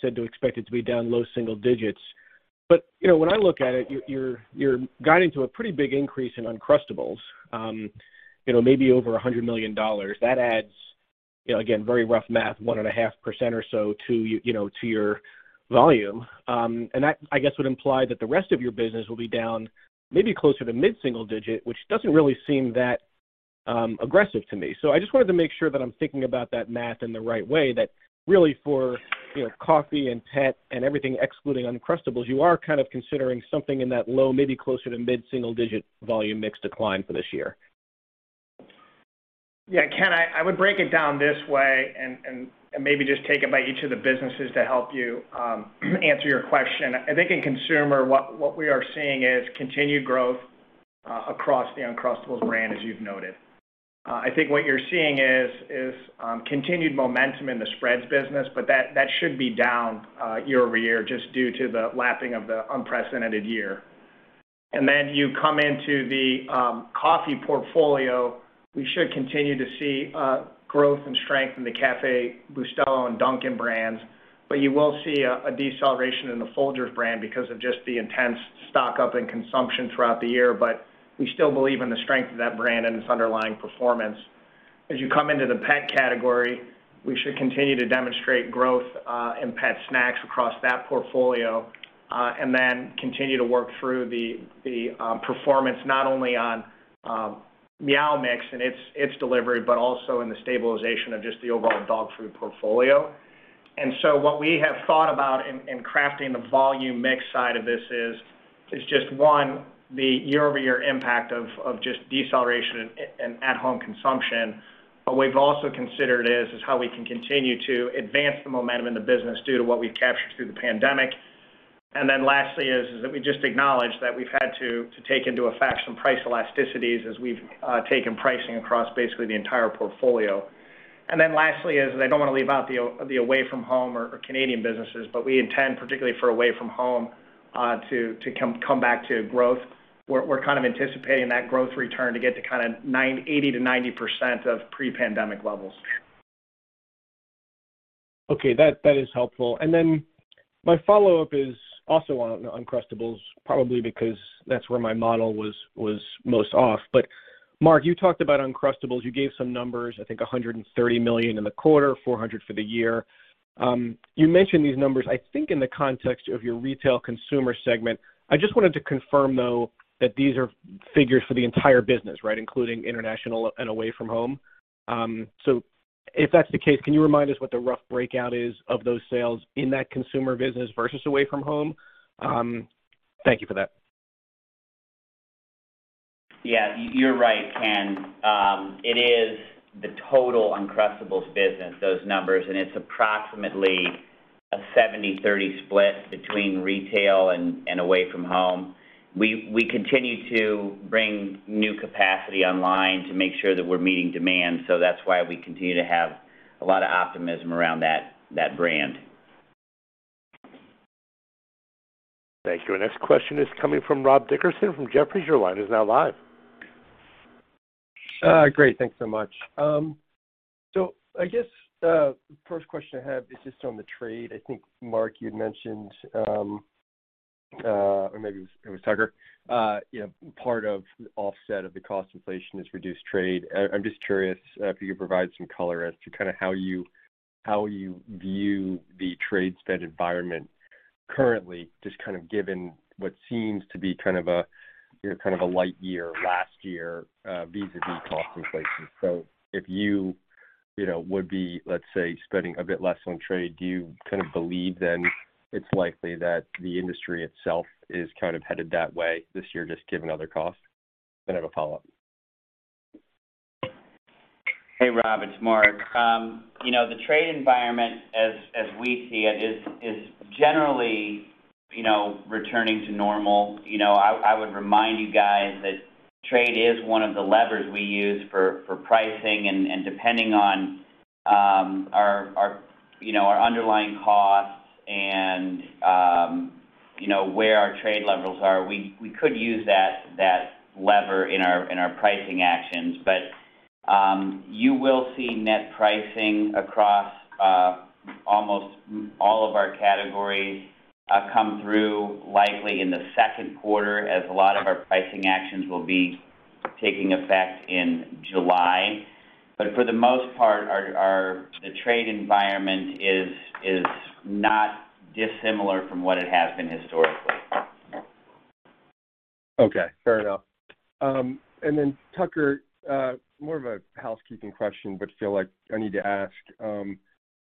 said to expect it to be down low single digits. When I look at it, you're guiding to a pretty big increase in Uncrustables, maybe over $100 million. That adds, again, very rough math, 1.5% or so to your volume. That, I guess, would imply that the rest of your business will be down maybe closer to mid-single digit, which doesn't really seem that aggressive to me. I just wanted to make sure that I'm thinking about that math in the right way, that really for coffee and pet and everything excluding Uncrustables, you are kind of considering something in that low, maybe closer to mid-single digit volume mix decline for this year. Yeah, Ken, I would break it down this way and maybe just take it by each of the businesses to help you answer your question. I think in consumer, what we are seeing is continued growth across the Uncrustables brand, as you've noted. I think what you're seeing is continued momentum in the spreads business, but that should be down year-over-year just due to the lapping of the unprecedented year. You come into the coffee portfolio. We should continue to see growth and strength in the Café Bustelo and Dunkin' brands, you will see a deceleration in the Folgers brand because of just the intense stock-up and consumption throughout the year. We still believe in the strength of that brand and its underlying performance. As you come into the pet category, we should continue to demonstrate growth in pet snacks across that portfolio and then continue to work through the performance, not only on Meow Mix and its delivery, but also in the stabilization of just the overall dog food portfolio. So what we have thought about in crafting the volume mix side of this is just, one, the year-over-year impact of just deceleration in at-home consumption. We've also considered is how we can continue to advance the momentum of the business due to what we've captured through the pandemic. Lastly is that we just acknowledge that we've had to take into effect some price elasticities as we've taken pricing across basically the entire portfolio. Lastly is I don't want to leave out the away from home or Canadian businesses. We intend particularly for away from home to come back to growth. We're kind of anticipating that growth return to get to kind of 80%-90% of pre-pandemic levels. Okay. That is helpful. Then my follow-up is also on Uncrustables, probably because that's where my model was most off. Mark, you talked about Uncrustables. You gave some numbers, I think, $130 million in the quarter, $400 million for the year. You mentioned these numbers, I think, in the context of your retail consumer segment. I just wanted to confirm, though, that these are figures for the entire business, including international and away from home. If that's the case, can you remind us what the rough breakout is of those sales in that consumer business versus away from home? Thank you for that. Yeah, you're right, Ken. It is the total Uncrustables business, those numbers, and it's approximately a 70/30 split between retail and away from home. We continue to bring new capacity online to make sure that we're meeting demand. That's why we continue to have a lot of optimism around that brand. Thank you. Our next question is coming from Rob Dickerson from Jefferies. Your line is now live. Great. Thanks so much. I guess the first question I have is just on the trade. I think, Mark, you mentioned, or maybe it was Tucker, part of the offset of the cost inflation is reduced trade. I'm just curious if you could provide some color as to how you view the trade-spend environment currently, just kind of given what seems to be kind of a light year last year vis-a-vis cost inflation. If you would be, let's say, spending a bit less on trade, do you kind of believe then it's likely that the industry itself is kind of headed that way this year, just given other costs? Then a follow-up. Hey, Rob, it's Mark. The trade environment as we see it is generally returning to normal. I would remind you guys that trade is one of the levers we use for pricing and depending on our underlying costs and where our trade levels are, we could use that lever in our pricing actions. You will see net pricing across almost all of our categories come through likely in the second quarter as a lot of our pricing actions will be taking effect in July. For the most part, the trade environment is not dissimilar from what it has been historically. Okay. Fair enough. Tucker, more of a housekeeping question, but feel like I need to ask.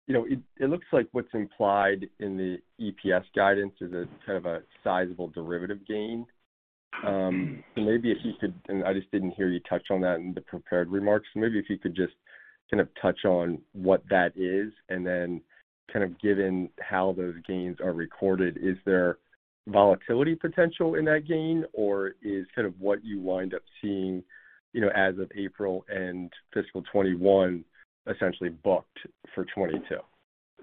It looks like what's implied in the EPS guidance is a kind of a sizable derivative gain. I just didn't hear you touch on that in the prepared remarks. Maybe if you could just kind of touch on what that is and then kind of given how those gains are recorded, is there volatility potential in that gain, or is kind of what you wind up seeing as of April and fiscal 2021 essentially booked for 2022?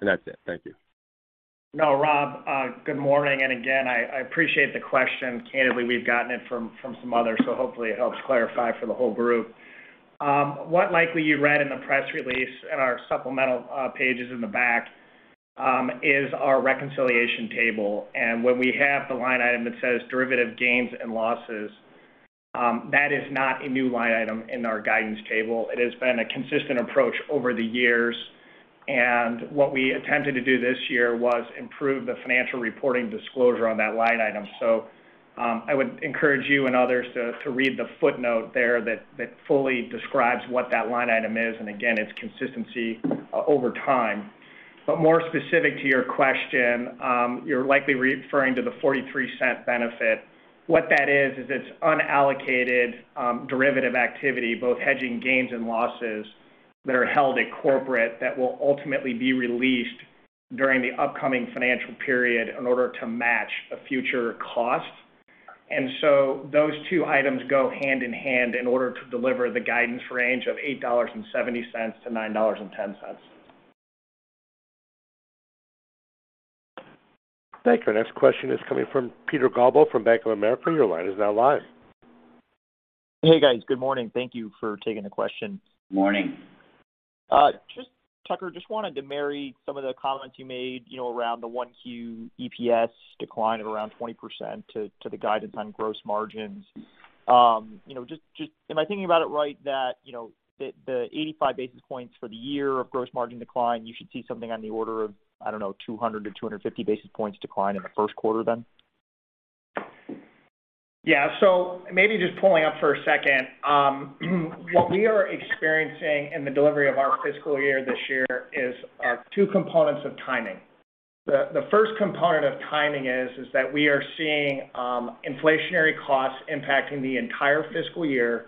That's it. Thank you. No, Rob, good morning. Again, I appreciate the question. Candidly, we've gotten it from some others, so hopefully it helps clarify for the whole group. What likely you read in the press release in our supplemental pages in the back is our reconciliation table. When we have the line item that says derivative gains and losses, that is not a new line item in our guidance table. It has been a consistent approach over the years. What we attempted to do this year was improve the financial reporting disclosure on that line item. I would encourage you and others to read the footnote there that fully describes what that line item is, and again, its consistency over time. More specific to your question, you're likely referring to the $0.43 benefit. What that is it's unallocated derivative activity, both hedging gains and losses that are held at corporate that will ultimately be released during the upcoming financial period in order to match a future cost. Those two items go hand in hand in order to deliver the guidance range of $8.70-$9.10. Thank you. Our next question is coming from Peter Galbo from Bank of America. Hey, guys. Good morning. Thank you for taking the question. Morning. Tucker, just wanted to marry some of the comments you made around the 1Q EPS decline of around 20% to the guidance on gross margins. Am I thinking about it right that the 85 basis points for the year of gross margin decline, you should see something on the order of, I don't know, 200-250 basis points decline in the first quarter then? Yeah. Maybe just pulling out for a second. What we are experiencing in the delivery of our fiscal year this year is two components of timing. The first component of timing is that we are seeing inflationary costs impacting the entire fiscal year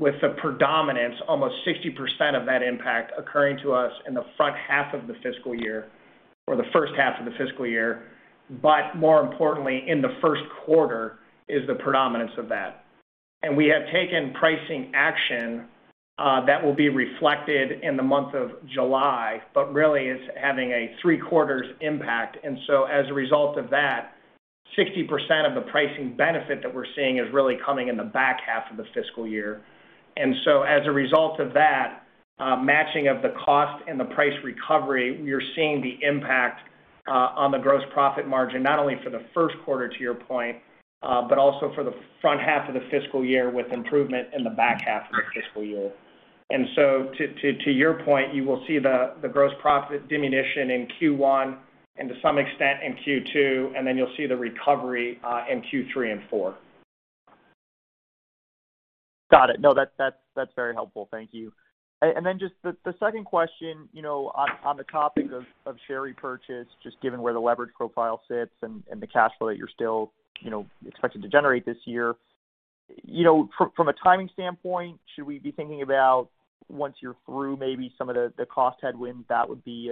with the predominance, almost 60% of that impact occurring to us in the front half of the fiscal year or the first half of the fiscal year, but more importantly, in the first quarter is the predominance of that. We have taken pricing action that will be reflected in the month of July, but really it's having a three-quarters impact. As a result of that, 60% of the pricing benefit that we're seeing is really coming in the back half of the fiscal year. As a result of that matching of the cost and the price recovery, you're seeing the impact on the gross profit margin, not only for the first quarter, to your point, but also for the front half of the fiscal year with improvement in the back half of the fiscal year. To your point, you will see the gross profit diminution in Q1 and to some extent in Q2, and then you'll see the recovery in Q3 and four. Got it. No, that's very helpful. Thank you. Just the second question, on the topic of share repurchase, just given where the leverage profile sits and the cash flow that you're still expected to generate this year. From a timing standpoint, should we be thinking about once you're through maybe some of the cost headwinds, that would be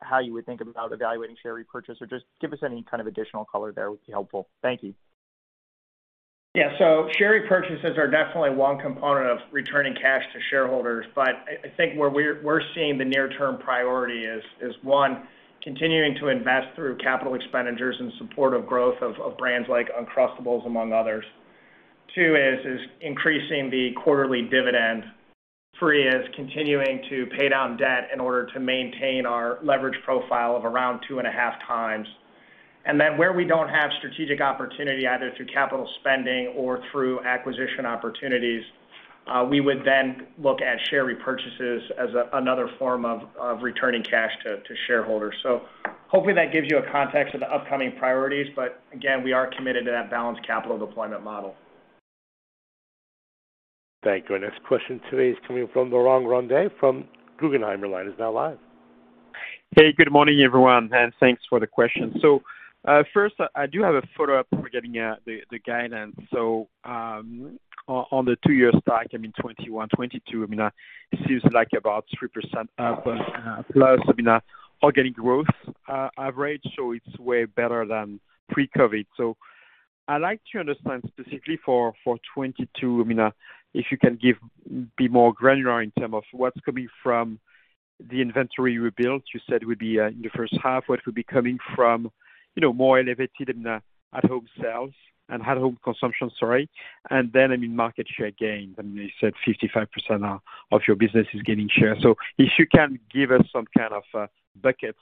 how you would think about evaluating share repurchase? Just give us any kind of additional color there would be helpful. Thank you. Yeah. Share repurchases are definitely one component of returning cash to shareholders. I think where we're seeing the near-term priority is one, continuing to invest through capital expenditures in support of growth of brands like Uncrustables, among others. Two is increasing the quarterly dividend. Three is continuing to pay down debt in order to maintain our leverage profile of around 2.5x. Where we don't have strategic opportunity, either through capital spending or through acquisition opportunities, we would then look at share repurchases as another form of returning cash to shareholders. Hopefully that gives you a context of the upcoming priorities, but again, we are committed to that balanced capital deployment model. Thank you. Our next question today is coming from Laurent Grandet from Guggenheim. Hey, good morning, everyone, and thanks for the question. First, I do have a follow-up from getting the guidance. On the two-year stack, I mean, 2021, 2022, it seems like about 3% growth rate, so it's way better than pre-COVID-19. I'd like to understand specifically for 2022, if you can be more granular in terms of what's coming from the inventory you built, you said would be in the first half, what would be coming from more elevated at home sales and at home consumption, sorry, and then, I mean, market share gain. I mean, you said 55% of your business is gaining share. If you can give us some kind of buckets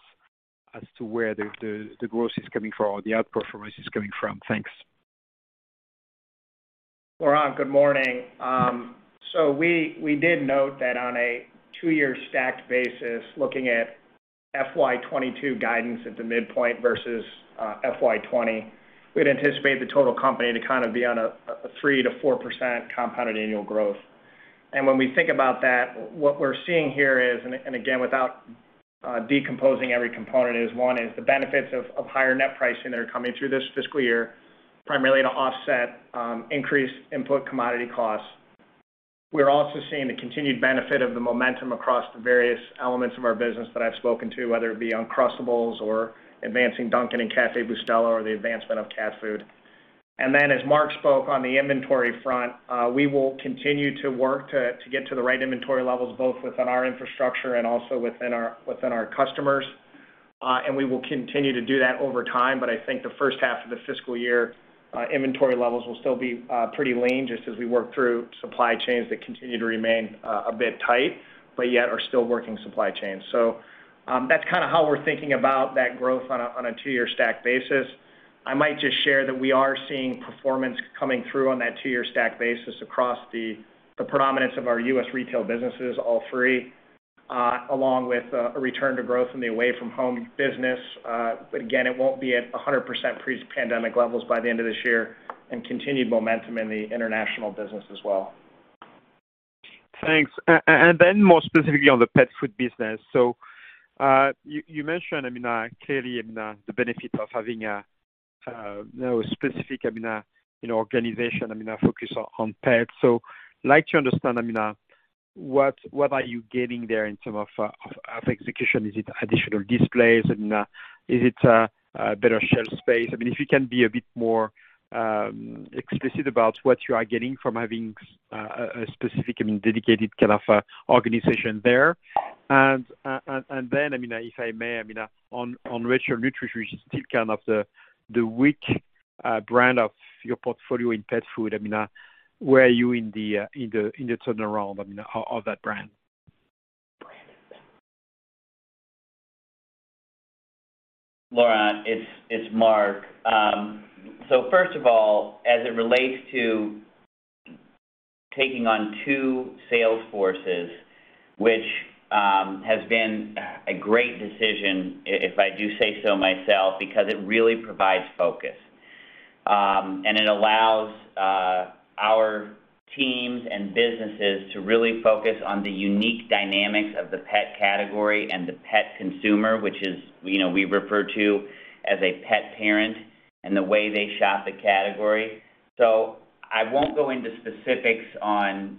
as to where the growth is coming from or the outperformance is coming from. Thanks. Laurent, good morning. We did note that on a two-year stacked basis, looking at FY 2022 guidance at the midpoint versus FY 2020, we'd anticipate the total company to kind of be on a 3%-4% compounded annual growth. When we think about that, what we're seeing here is, and again, without decomposing every component, is one is the benefits of higher net pricing that are coming through this fiscal year, primarily to offset increased input commodity costs. We're also seeing the continued benefit of the momentum across the various elements of our business that I've spoken to, whether it be Uncrustables or advancing Dunkin' and Café Bustelo or the advancement of cat food. As Mark spoke on the inventory front, we will continue to work to get to the right inventory levels, both within our infrastructure and also within our customers. We will continue to do that over time. I think the first half of the fiscal year, inventory levels will still be pretty lean just as we work through supply chains that continue to remain a bit tight but yet are still working supply chains. That's kind of how we're thinking about that growth on a two-year stack basis. I might just share that we are seeing performance coming through on that two-year stack basis across the predominance of our U.S. retail businesses, all three, along with a return to growth in the away from home business. Again, it won't be at 100% pre-pandemic levels by the end of this year, and continued momentum in the international business as well. Thanks. More specifically on the pet food business. You mentioned, clearly, the benefit of having a specific organization focused on pets. Like to understand what are you getting there in terms of execution? Is it additional displays? I mean, is it a better shelf space? I mean, if you can be a bit more explicit about what you are getting from having a specific and dedicated kind of organization there. If I may, on Rachael Ray Nutrish, which is still kind of the weak brand of your portfolio in pet food. Where are you in the turnaround of that brand? Laurent, it's Mark. First of all, as it relates to taking on two sales forces, which has been a great decision, if I do say so myself, because it really provides focus. It allows our teams and businesses to really focus on the unique dynamics of the pet category and the pet consumer, which is, we refer to as a pet parent, and the way they shop the category. I won't go into specifics on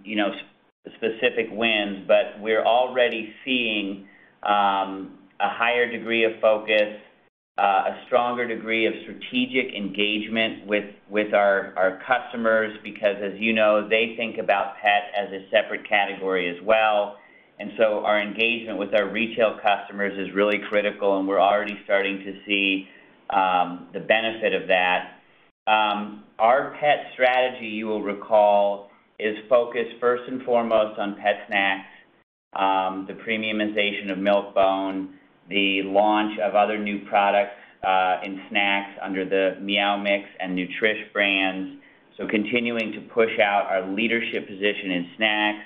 specific wins, but we're already seeing a higher degree of focus, a stronger degree of strategic engagement with our customers because as you know, they think about pet as a separate category as well. Our engagement with our retail customers is really critical, and we're already starting to see the benefit of that. Our pet strategy, you will recall, is focused first and foremost on pet snacks, the premiumization of Milk-Bone, the launch of other new products in snacks under the Meow Mix and Nutrish brands. Continuing to push out our leadership position in snacks.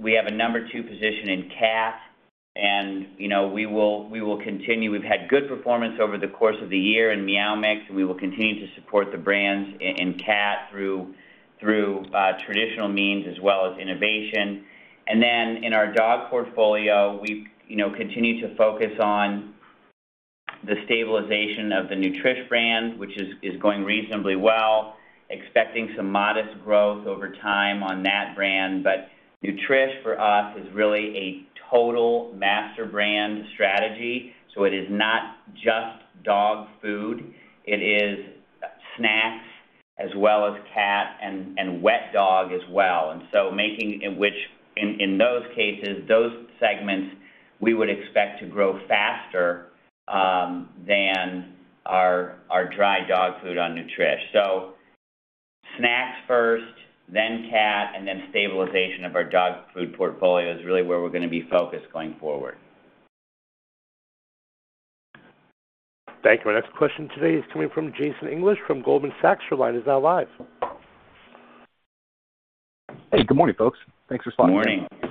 We have a number two position in cat, and we will continue. We've had good performance over the course of the year in Meow Mix, and we will continue to support the brands in cat through traditional means as well as innovation. In our dog portfolio, we continue to focus on the stabilization of the Nutrish brand, which is going reasonably well, expecting some modest growth over time on that brand. Nutrish for us is really a total master brand strategy. It is not just dog food, it is snacks as well as cat and wet dog as well. Making it, which in those cases, those segments, we would expect to grow faster than our dry dog food on Nutrish. Snacks first, then cat, and then stabilization of our dog food portfolio is really where we're going to be focused going forward. Thank you. Our next question today is coming from Jason English from Goldman Sachs. Your line is now live. Hey, good morning, folks. Thanks for the spotlight. Good morning.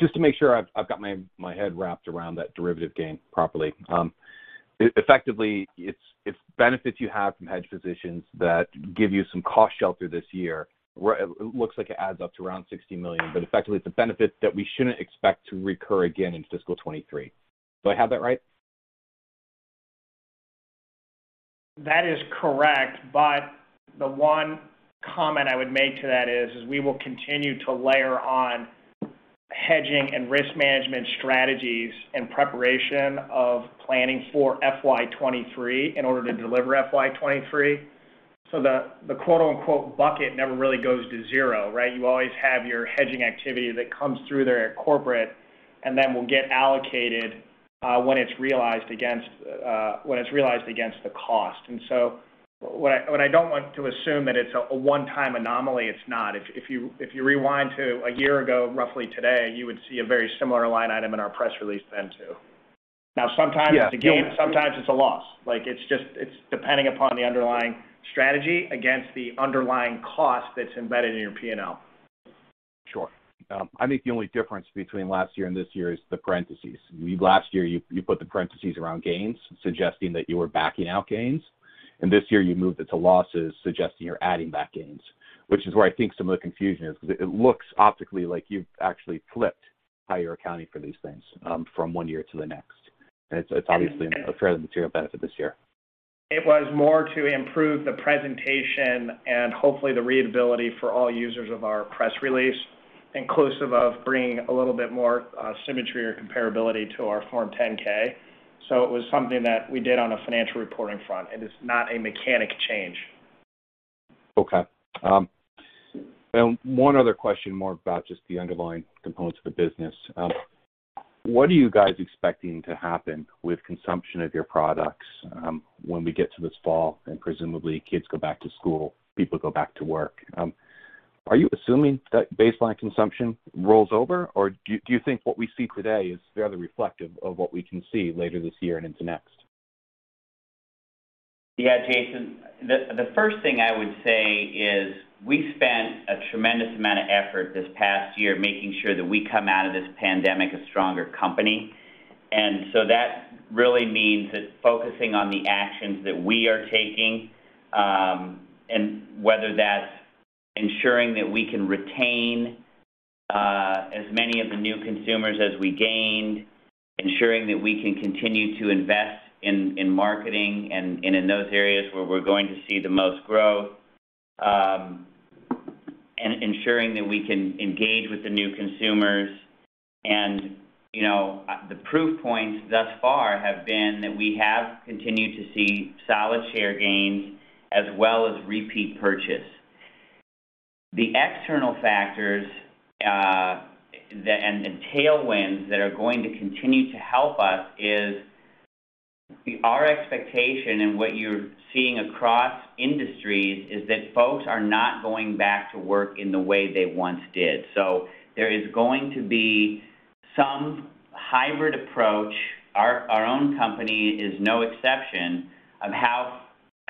Just to make sure I've got my head wrapped around that derivative gain properly. Effectively, it's benefits you have from hedge positions that give you some cost shelter this year, where it looks like it adds up to around $60 million, but effectively it's the benefits that we shouldn't expect to recur again in fiscal 2023. Do I have that right? That is correct, the one comment I would make to that is, we will continue to layer on hedging and risk management strategies in preparation of planning for FY 2023 in order to deliver FY 2023. The quote, unquote, "bucket" never really goes to zero, right? You always have your hedging activity that comes through there at corporate and then will get allocated when it's realized against the cost. What I don't like to assume that it's a one-time anomaly, it's not. If you rewind to a year ago, roughly today, you would see a very similar line item in our press release then, too. Now sometimes it's a gain, sometimes it's a loss. It's depending upon the underlying strategy against the underlying cost that's embedded in your P&L. Sure. I think the only difference between last year and this year is the parentheses. Last year, you put the parentheses around gains suggesting that you were backing out gains, and this year you moved it to losses suggesting you're adding back gains, which is where I think some of the confusion is because it looks optically like you've actually flipped how you're accounting for these things from one year to the next. It's obviously a fairly material benefit this year. It was more to improve the presentation and hopefully the readability for all users of our press release, inclusive of bringing a little bit more symmetry or comparability to our Form 10-K. It was something that we did on a financial reporting front. It is not a mechanic change. Okay. One other question, more about just the underlying components of the business. What are you guys expecting to happen with consumption of your products when we get to this fall and presumably kids go back to school, people go back to work? Are you assuming that baseline consumption rolls over, or do you think what we see today is fairly reflective of what we can see later this year and into next? Yeah, Jason, the first thing I would say is we spent a tremendous amount of effort this past year making sure that we come out of this pandemic a stronger company. That really means that focusing on the actions that we are taking, and whether that's ensuring that we can retain as many of the new consumers as we gained, ensuring that we can continue to invest in marketing and in those areas where we're going to see the most growth, ensuring that we can engage with the new consumers. The proof points thus far have been that we have continued to see solid share gains as well as repeat purchase. The external factors and the tailwinds that are going to continue to help us is our expectation and what you're seeing across industries is that folks are not going back to work in the way they once did. There is going to be some hybrid approach, our own company is no exception, of how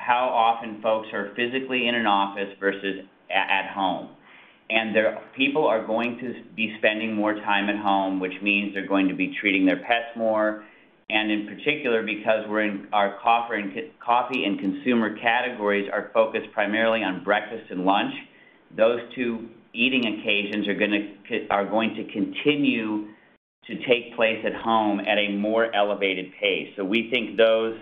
often folks are physically in an office versus at home. People are going to be spending more time at home, which means they're going to be treating their pets more, and in particular because our coffee and consumer categories are focused primarily on breakfast and lunch, those two eating occasions are going to continue to take place at home at a more elevated pace. We think those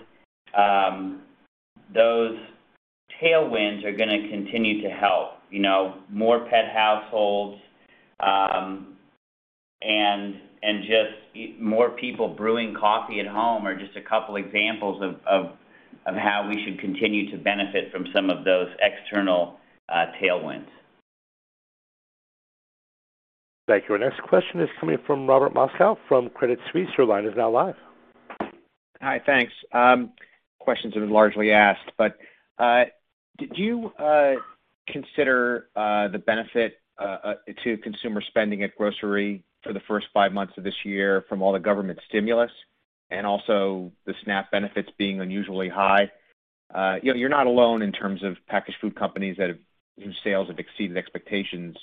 tailwinds are going to continue to help. More pet households, and just more people brewing coffee at home are just a couple examples of how we should continue to benefit from some of those external tailwinds. Thank you. Our next question is coming from Robert Moskow from Credit Suisse. Your line is now live. Hi, thanks. Question's been largely asked, but did you consider the benefit to consumer spending at grocery for the first five months of this year from all the government stimulus and also the SNAP benefits being unusually high? You're not alone in terms of packaged food companies whose sales have exceeded expectations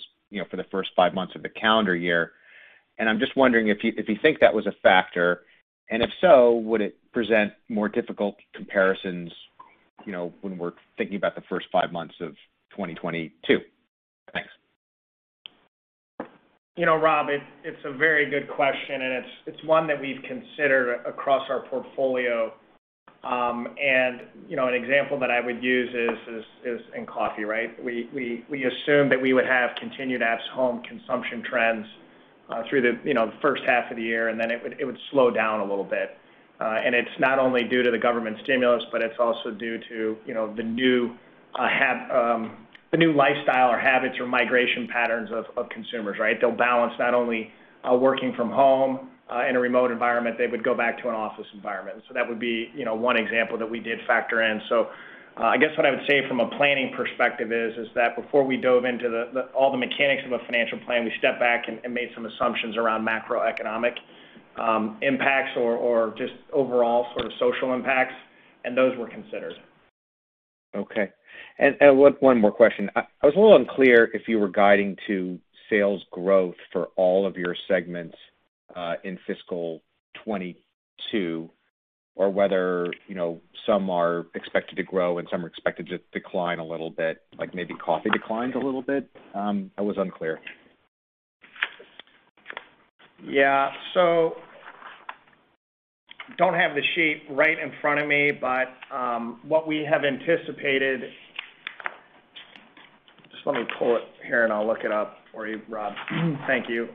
for the first five months of the calendar year. I'm just wondering if you think that was a factor, and if so, would it present more difficult comparisons when we're thinking about the first five months of 2022? Thanks. Rob, it's a very good question. It's one that we've considered across our portfolio. An example that I would use is in coffee, right? We assumed that we would have continued at-home consumption trends through the first half of the year, and then it would slow down a little bit. It's not only due to the government stimulus, but it's also due to the new lifestyle or habits or migration patterns of consumers, right? They'll balance not only working from home in a remote environment, they would go back to an office environment. That would be one example that we did factor in. I guess what I would say from a planning perspective is that before we dove into all the mechanics of a financial plan, we stepped back and made some assumptions around macroeconomic impacts or just overall sort of social impacts, and those were considered. Okay. One more question. I was a little unclear if you were guiding to sales growth for all of your segments in fiscal 2022, or whether some are expected to grow and some are expected to decline a little bit, like maybe coffee declines a little bit. I was unclear. Just let me pull it here and I'll look it up for you, Rob. Thank you.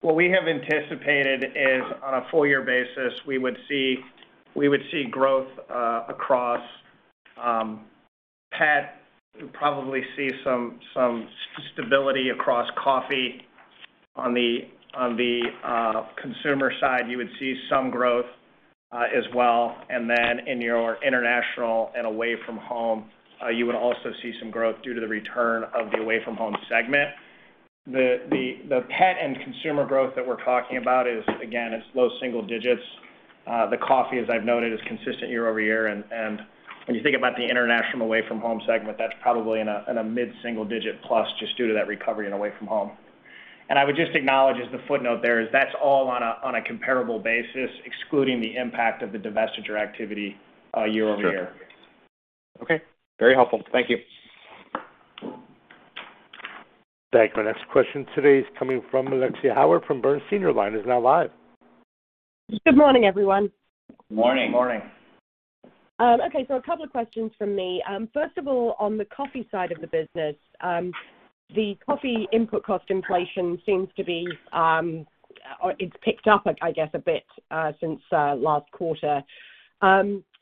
What we have anticipated is on a full year basis, we would see growth across pet. You'll probably see some stability across coffee. On the consumer side, you would see some growth as well. In your international and away from home, you would also see some growth due to the return of the away from home segment. The pet and consumer growth that we're talking about is, again, it's low single digits. The coffee, as I've noted, is consistent year-over-year. When you think about the international away from home segment, that's probably in a mid-single digit plus just due to that recovery in away from home. I would just acknowledge as a footnote there is that's all on a comparable basis, excluding the impact of the divestiture activity year-over-year. Sure. Okay. Very helpful. Thank you. Thank you. Our next question today is coming from Alexia Howard from Bernstein. Your line is now live. Good morning, everyone. Morning. Morning. Okay. A couple questions from me. First of all, on the coffee side of the business the coffee input cost inflation seems to be, it's picked up, I guess, a bit since last quarter.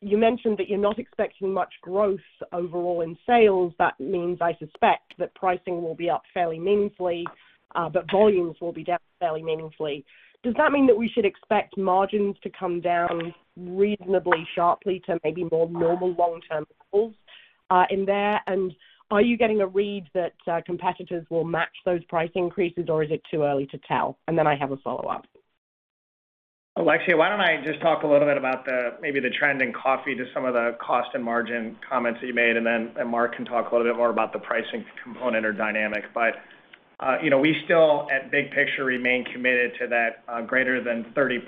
You mentioned that you're not expecting much growth overall in sales. That means, I suspect, that pricing will be up fairly meaningfully, but volumes will be down fairly meaningfully. Does that mean that we should expect margins to come down reasonably sharply to maybe more normal long-term levels in there? Are you getting a read that competitors will match those price increases, or is it too early to tell? I have a follow-up. Alexia, why don't I just talk a little bit about maybe the trend in coffee to some of the cost and margin comments that you made, and then Mark can talk a little bit more about the pricing component or dynamic. We still at big picture remain committed to that greater than 30%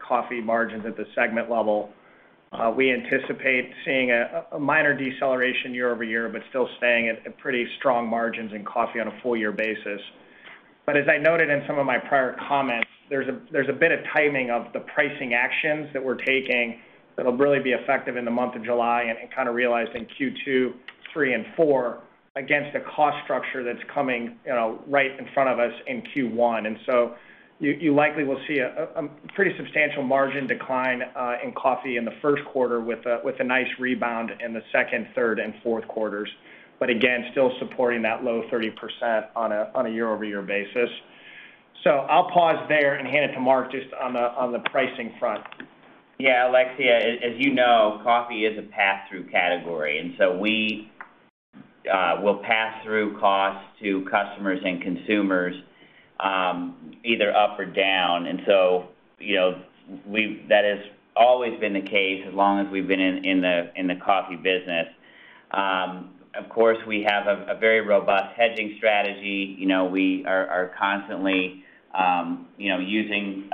coffee margins at the segment level. We anticipate seeing a minor deceleration year-over-year but still staying at the pretty strong margins in coffee on a full year basis. As I noted in some of my prior comments, there's a bit of timing of the pricing actions that we're taking that'll really be effective in the month of July and kind of realized in Q2, Q3, and Q4 against a cost structure that's coming right in front of us in Q1. You likely will see a pretty substantial margin decline in coffee in the first quarter with a nice rebound in the second, third, and fourth quarters. Again, still supporting that low 30% on a year-over-year basis. I'll pause there and hand it to Mark just on the pricing front. Yeah, Alexia, as you know, coffee is a pass-through category. We will pass through costs to customers and consumers, either up or down. That has always been the case as long as we've been in the coffee business. Of course, we have a very robust hedging strategy. We are constantly using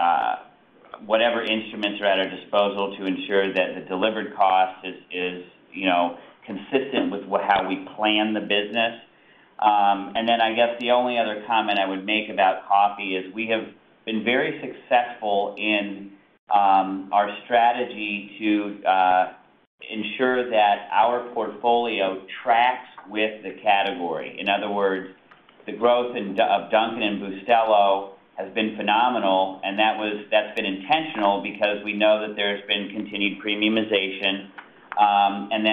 whatever instruments are at our disposal to ensure that the delivered cost is consistent with how we plan the business. I guess the only other comment I would make about coffee is we have been very successful in our strategy to ensure that our portfolio tracks with the category. In other words, the growth of Dunkin' and Bustelo has been phenomenal, and that's been intentional because we know that there's been continued premiumization.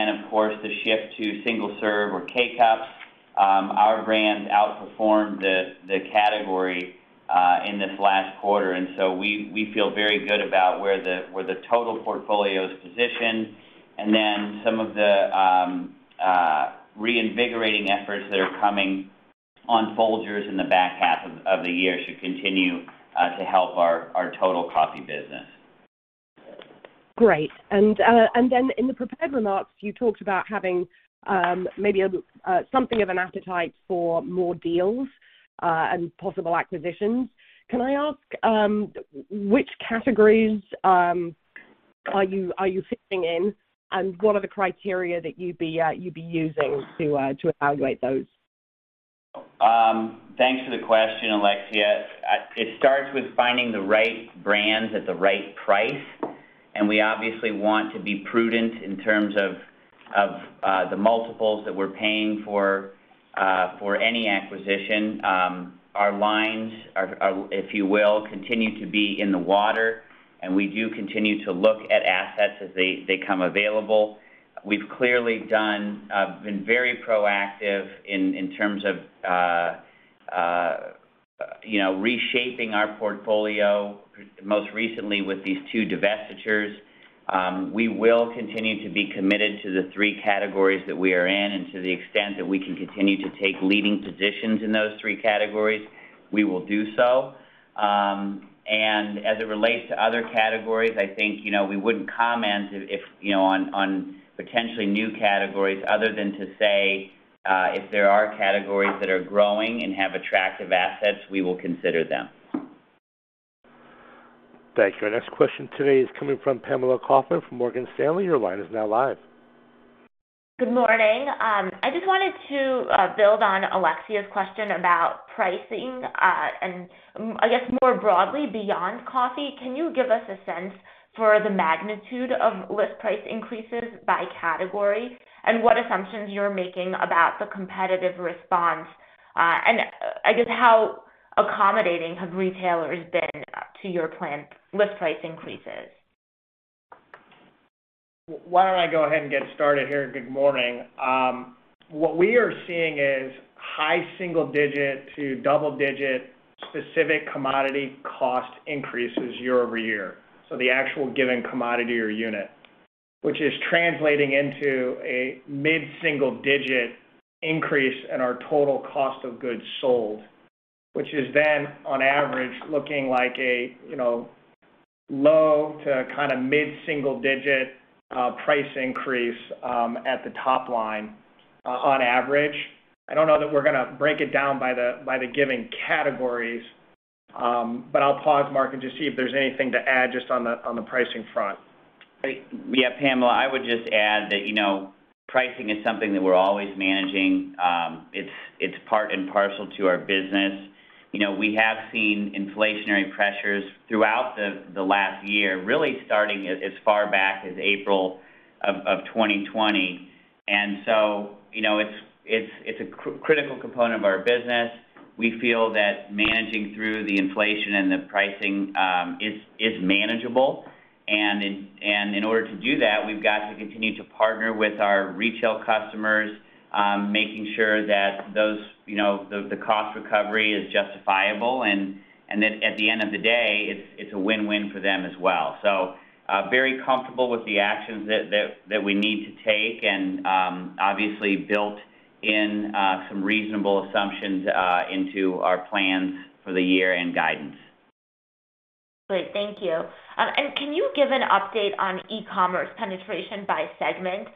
Of course, the shift to single-serve or K-Cups. Our brands outperformed the category in this last quarter. We feel very good about where the total portfolio is positioned. Some of the reinvigorating efforts that are coming on Folgers in the back half of the year should continue to help our total coffee business. Great. In the prepared remarks, you talked about having maybe something of an appetite for more deals and possible acquisitions. Can I ask which categories are you sitting in, and what are the criteria that you'd be using to evaluate those? Thanks for the question, Alexia. It starts with finding the right brands at the right price, and we obviously want to be prudent in terms of the multiples that we're paying for any acquisition. Our lines are, if you will, continue to be in the water, and we do continue to look at assets as they become available. We've clearly been very proactive in terms of reshaping our portfolio, most recently with these two divestitures. We will continue to be committed to the three categories that we are in, and to the extent that we can continue to take leading positions in those three categories, we will do so. As it relates to other categories, I think, we wouldn't comment on potentially new categories other than to say, if there are categories that are growing and have attractive assets, we will consider them. Thanks. Our next question today is coming from Pamela Kaufman from Morgan Stanley. Your line is now live. Good morning. I just wanted to build on Alexia's question about pricing. I guess more broadly, beyond coffee, can you give us a sense for the magnitude of list price increases by category and what assumptions you're making about the competitive response? I guess how accommodating have retailers been to your planned list price increases? Why don't I go ahead and get started here. Good morning. What we are seeing is high single-digit to double-digit specific commodity cost increases year-over-year. The actual given commodity or unit, which is translating into a mid-single-digit increase in our total cost of goods sold, which is then on average looking like a low to mid-single-digit price increase at the top line on average. I don't know that we're going to break it down by the given categories. I'll pause Mark and just see if there's anything to add just on the pricing front. Yeah, Pamela, I would just add that pricing is something that we're always managing. It's part and parcel to our business. We have seen inflationary pressures throughout the last year, really starting as far back as April of 2020. It's a critical component of our business. We feel that managing through the inflation and the pricing is manageable, and in order to do that, we've got to continue to partner with our retail customers, making sure that the cost recovery is justifiable, and at the end of the day, it's a win-win for them as well. Very comfortable with the actions that we need to take and, obviously built in some reasonable assumptions into our plans for the year-end guidance. Great. Thank you. Can you give an update on e-commerce penetration by segment?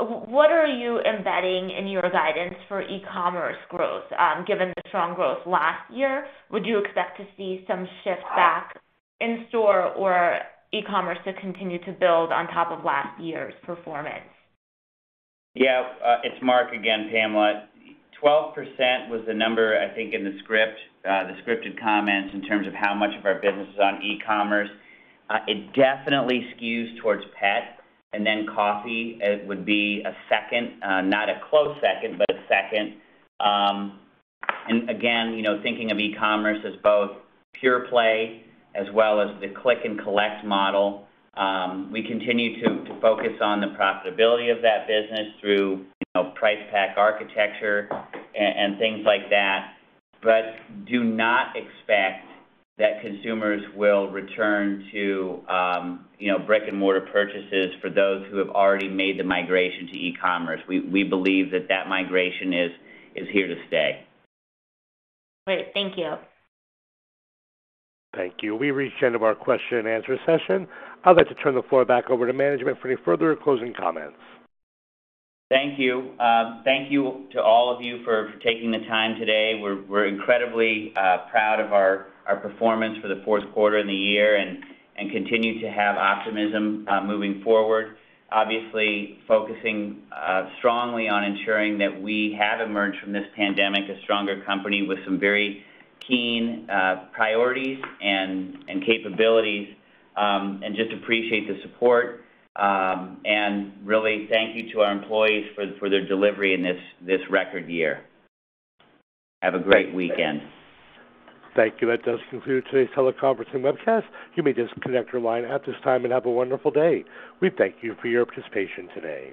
What are you embedding in your guidance for e-commerce growth, given the strong growth last year? Would you expect to see some shift back in store or e-commerce to continue to build on top of last year's performance? Yeah, it's Mark again, Pamela. 12% was the number, I think, in the scripted comments in terms of how much of our business is on e-commerce. It definitely skews towards pet, and then coffee would be a second, not a close second, but a second. Again, thinking of e-commerce as both pure play as well as the click and collect model. We continue to focus on the profitability of that business through price pack architecture and things like that, but do not expect that consumers will return to brick and mortar purchases for those who have already made the migration to e-commerce. We believe that migration is here to stay. Great. Thank you. Thank you. We've reached the end of our question-and-answer session. I'd like to turn the floor back over to management for any further closing comments. Thank you. Thank you to all of you for taking the time today. We're incredibly proud of our performance for the fourth quarter of the year and continue to have optimism moving forward. Obviously, focusing strongly on ensuring that we have emerged from this pandemic a stronger company with some very keen priorities and capabilities, and just appreciate the support. Really thank you to our employees for their delivery in this record year. Have a great weekend. Thank you. That does conclude today's teleconference and webcast. You may disconnect your line at this time and have a wonderful day. We thank you for your participation today.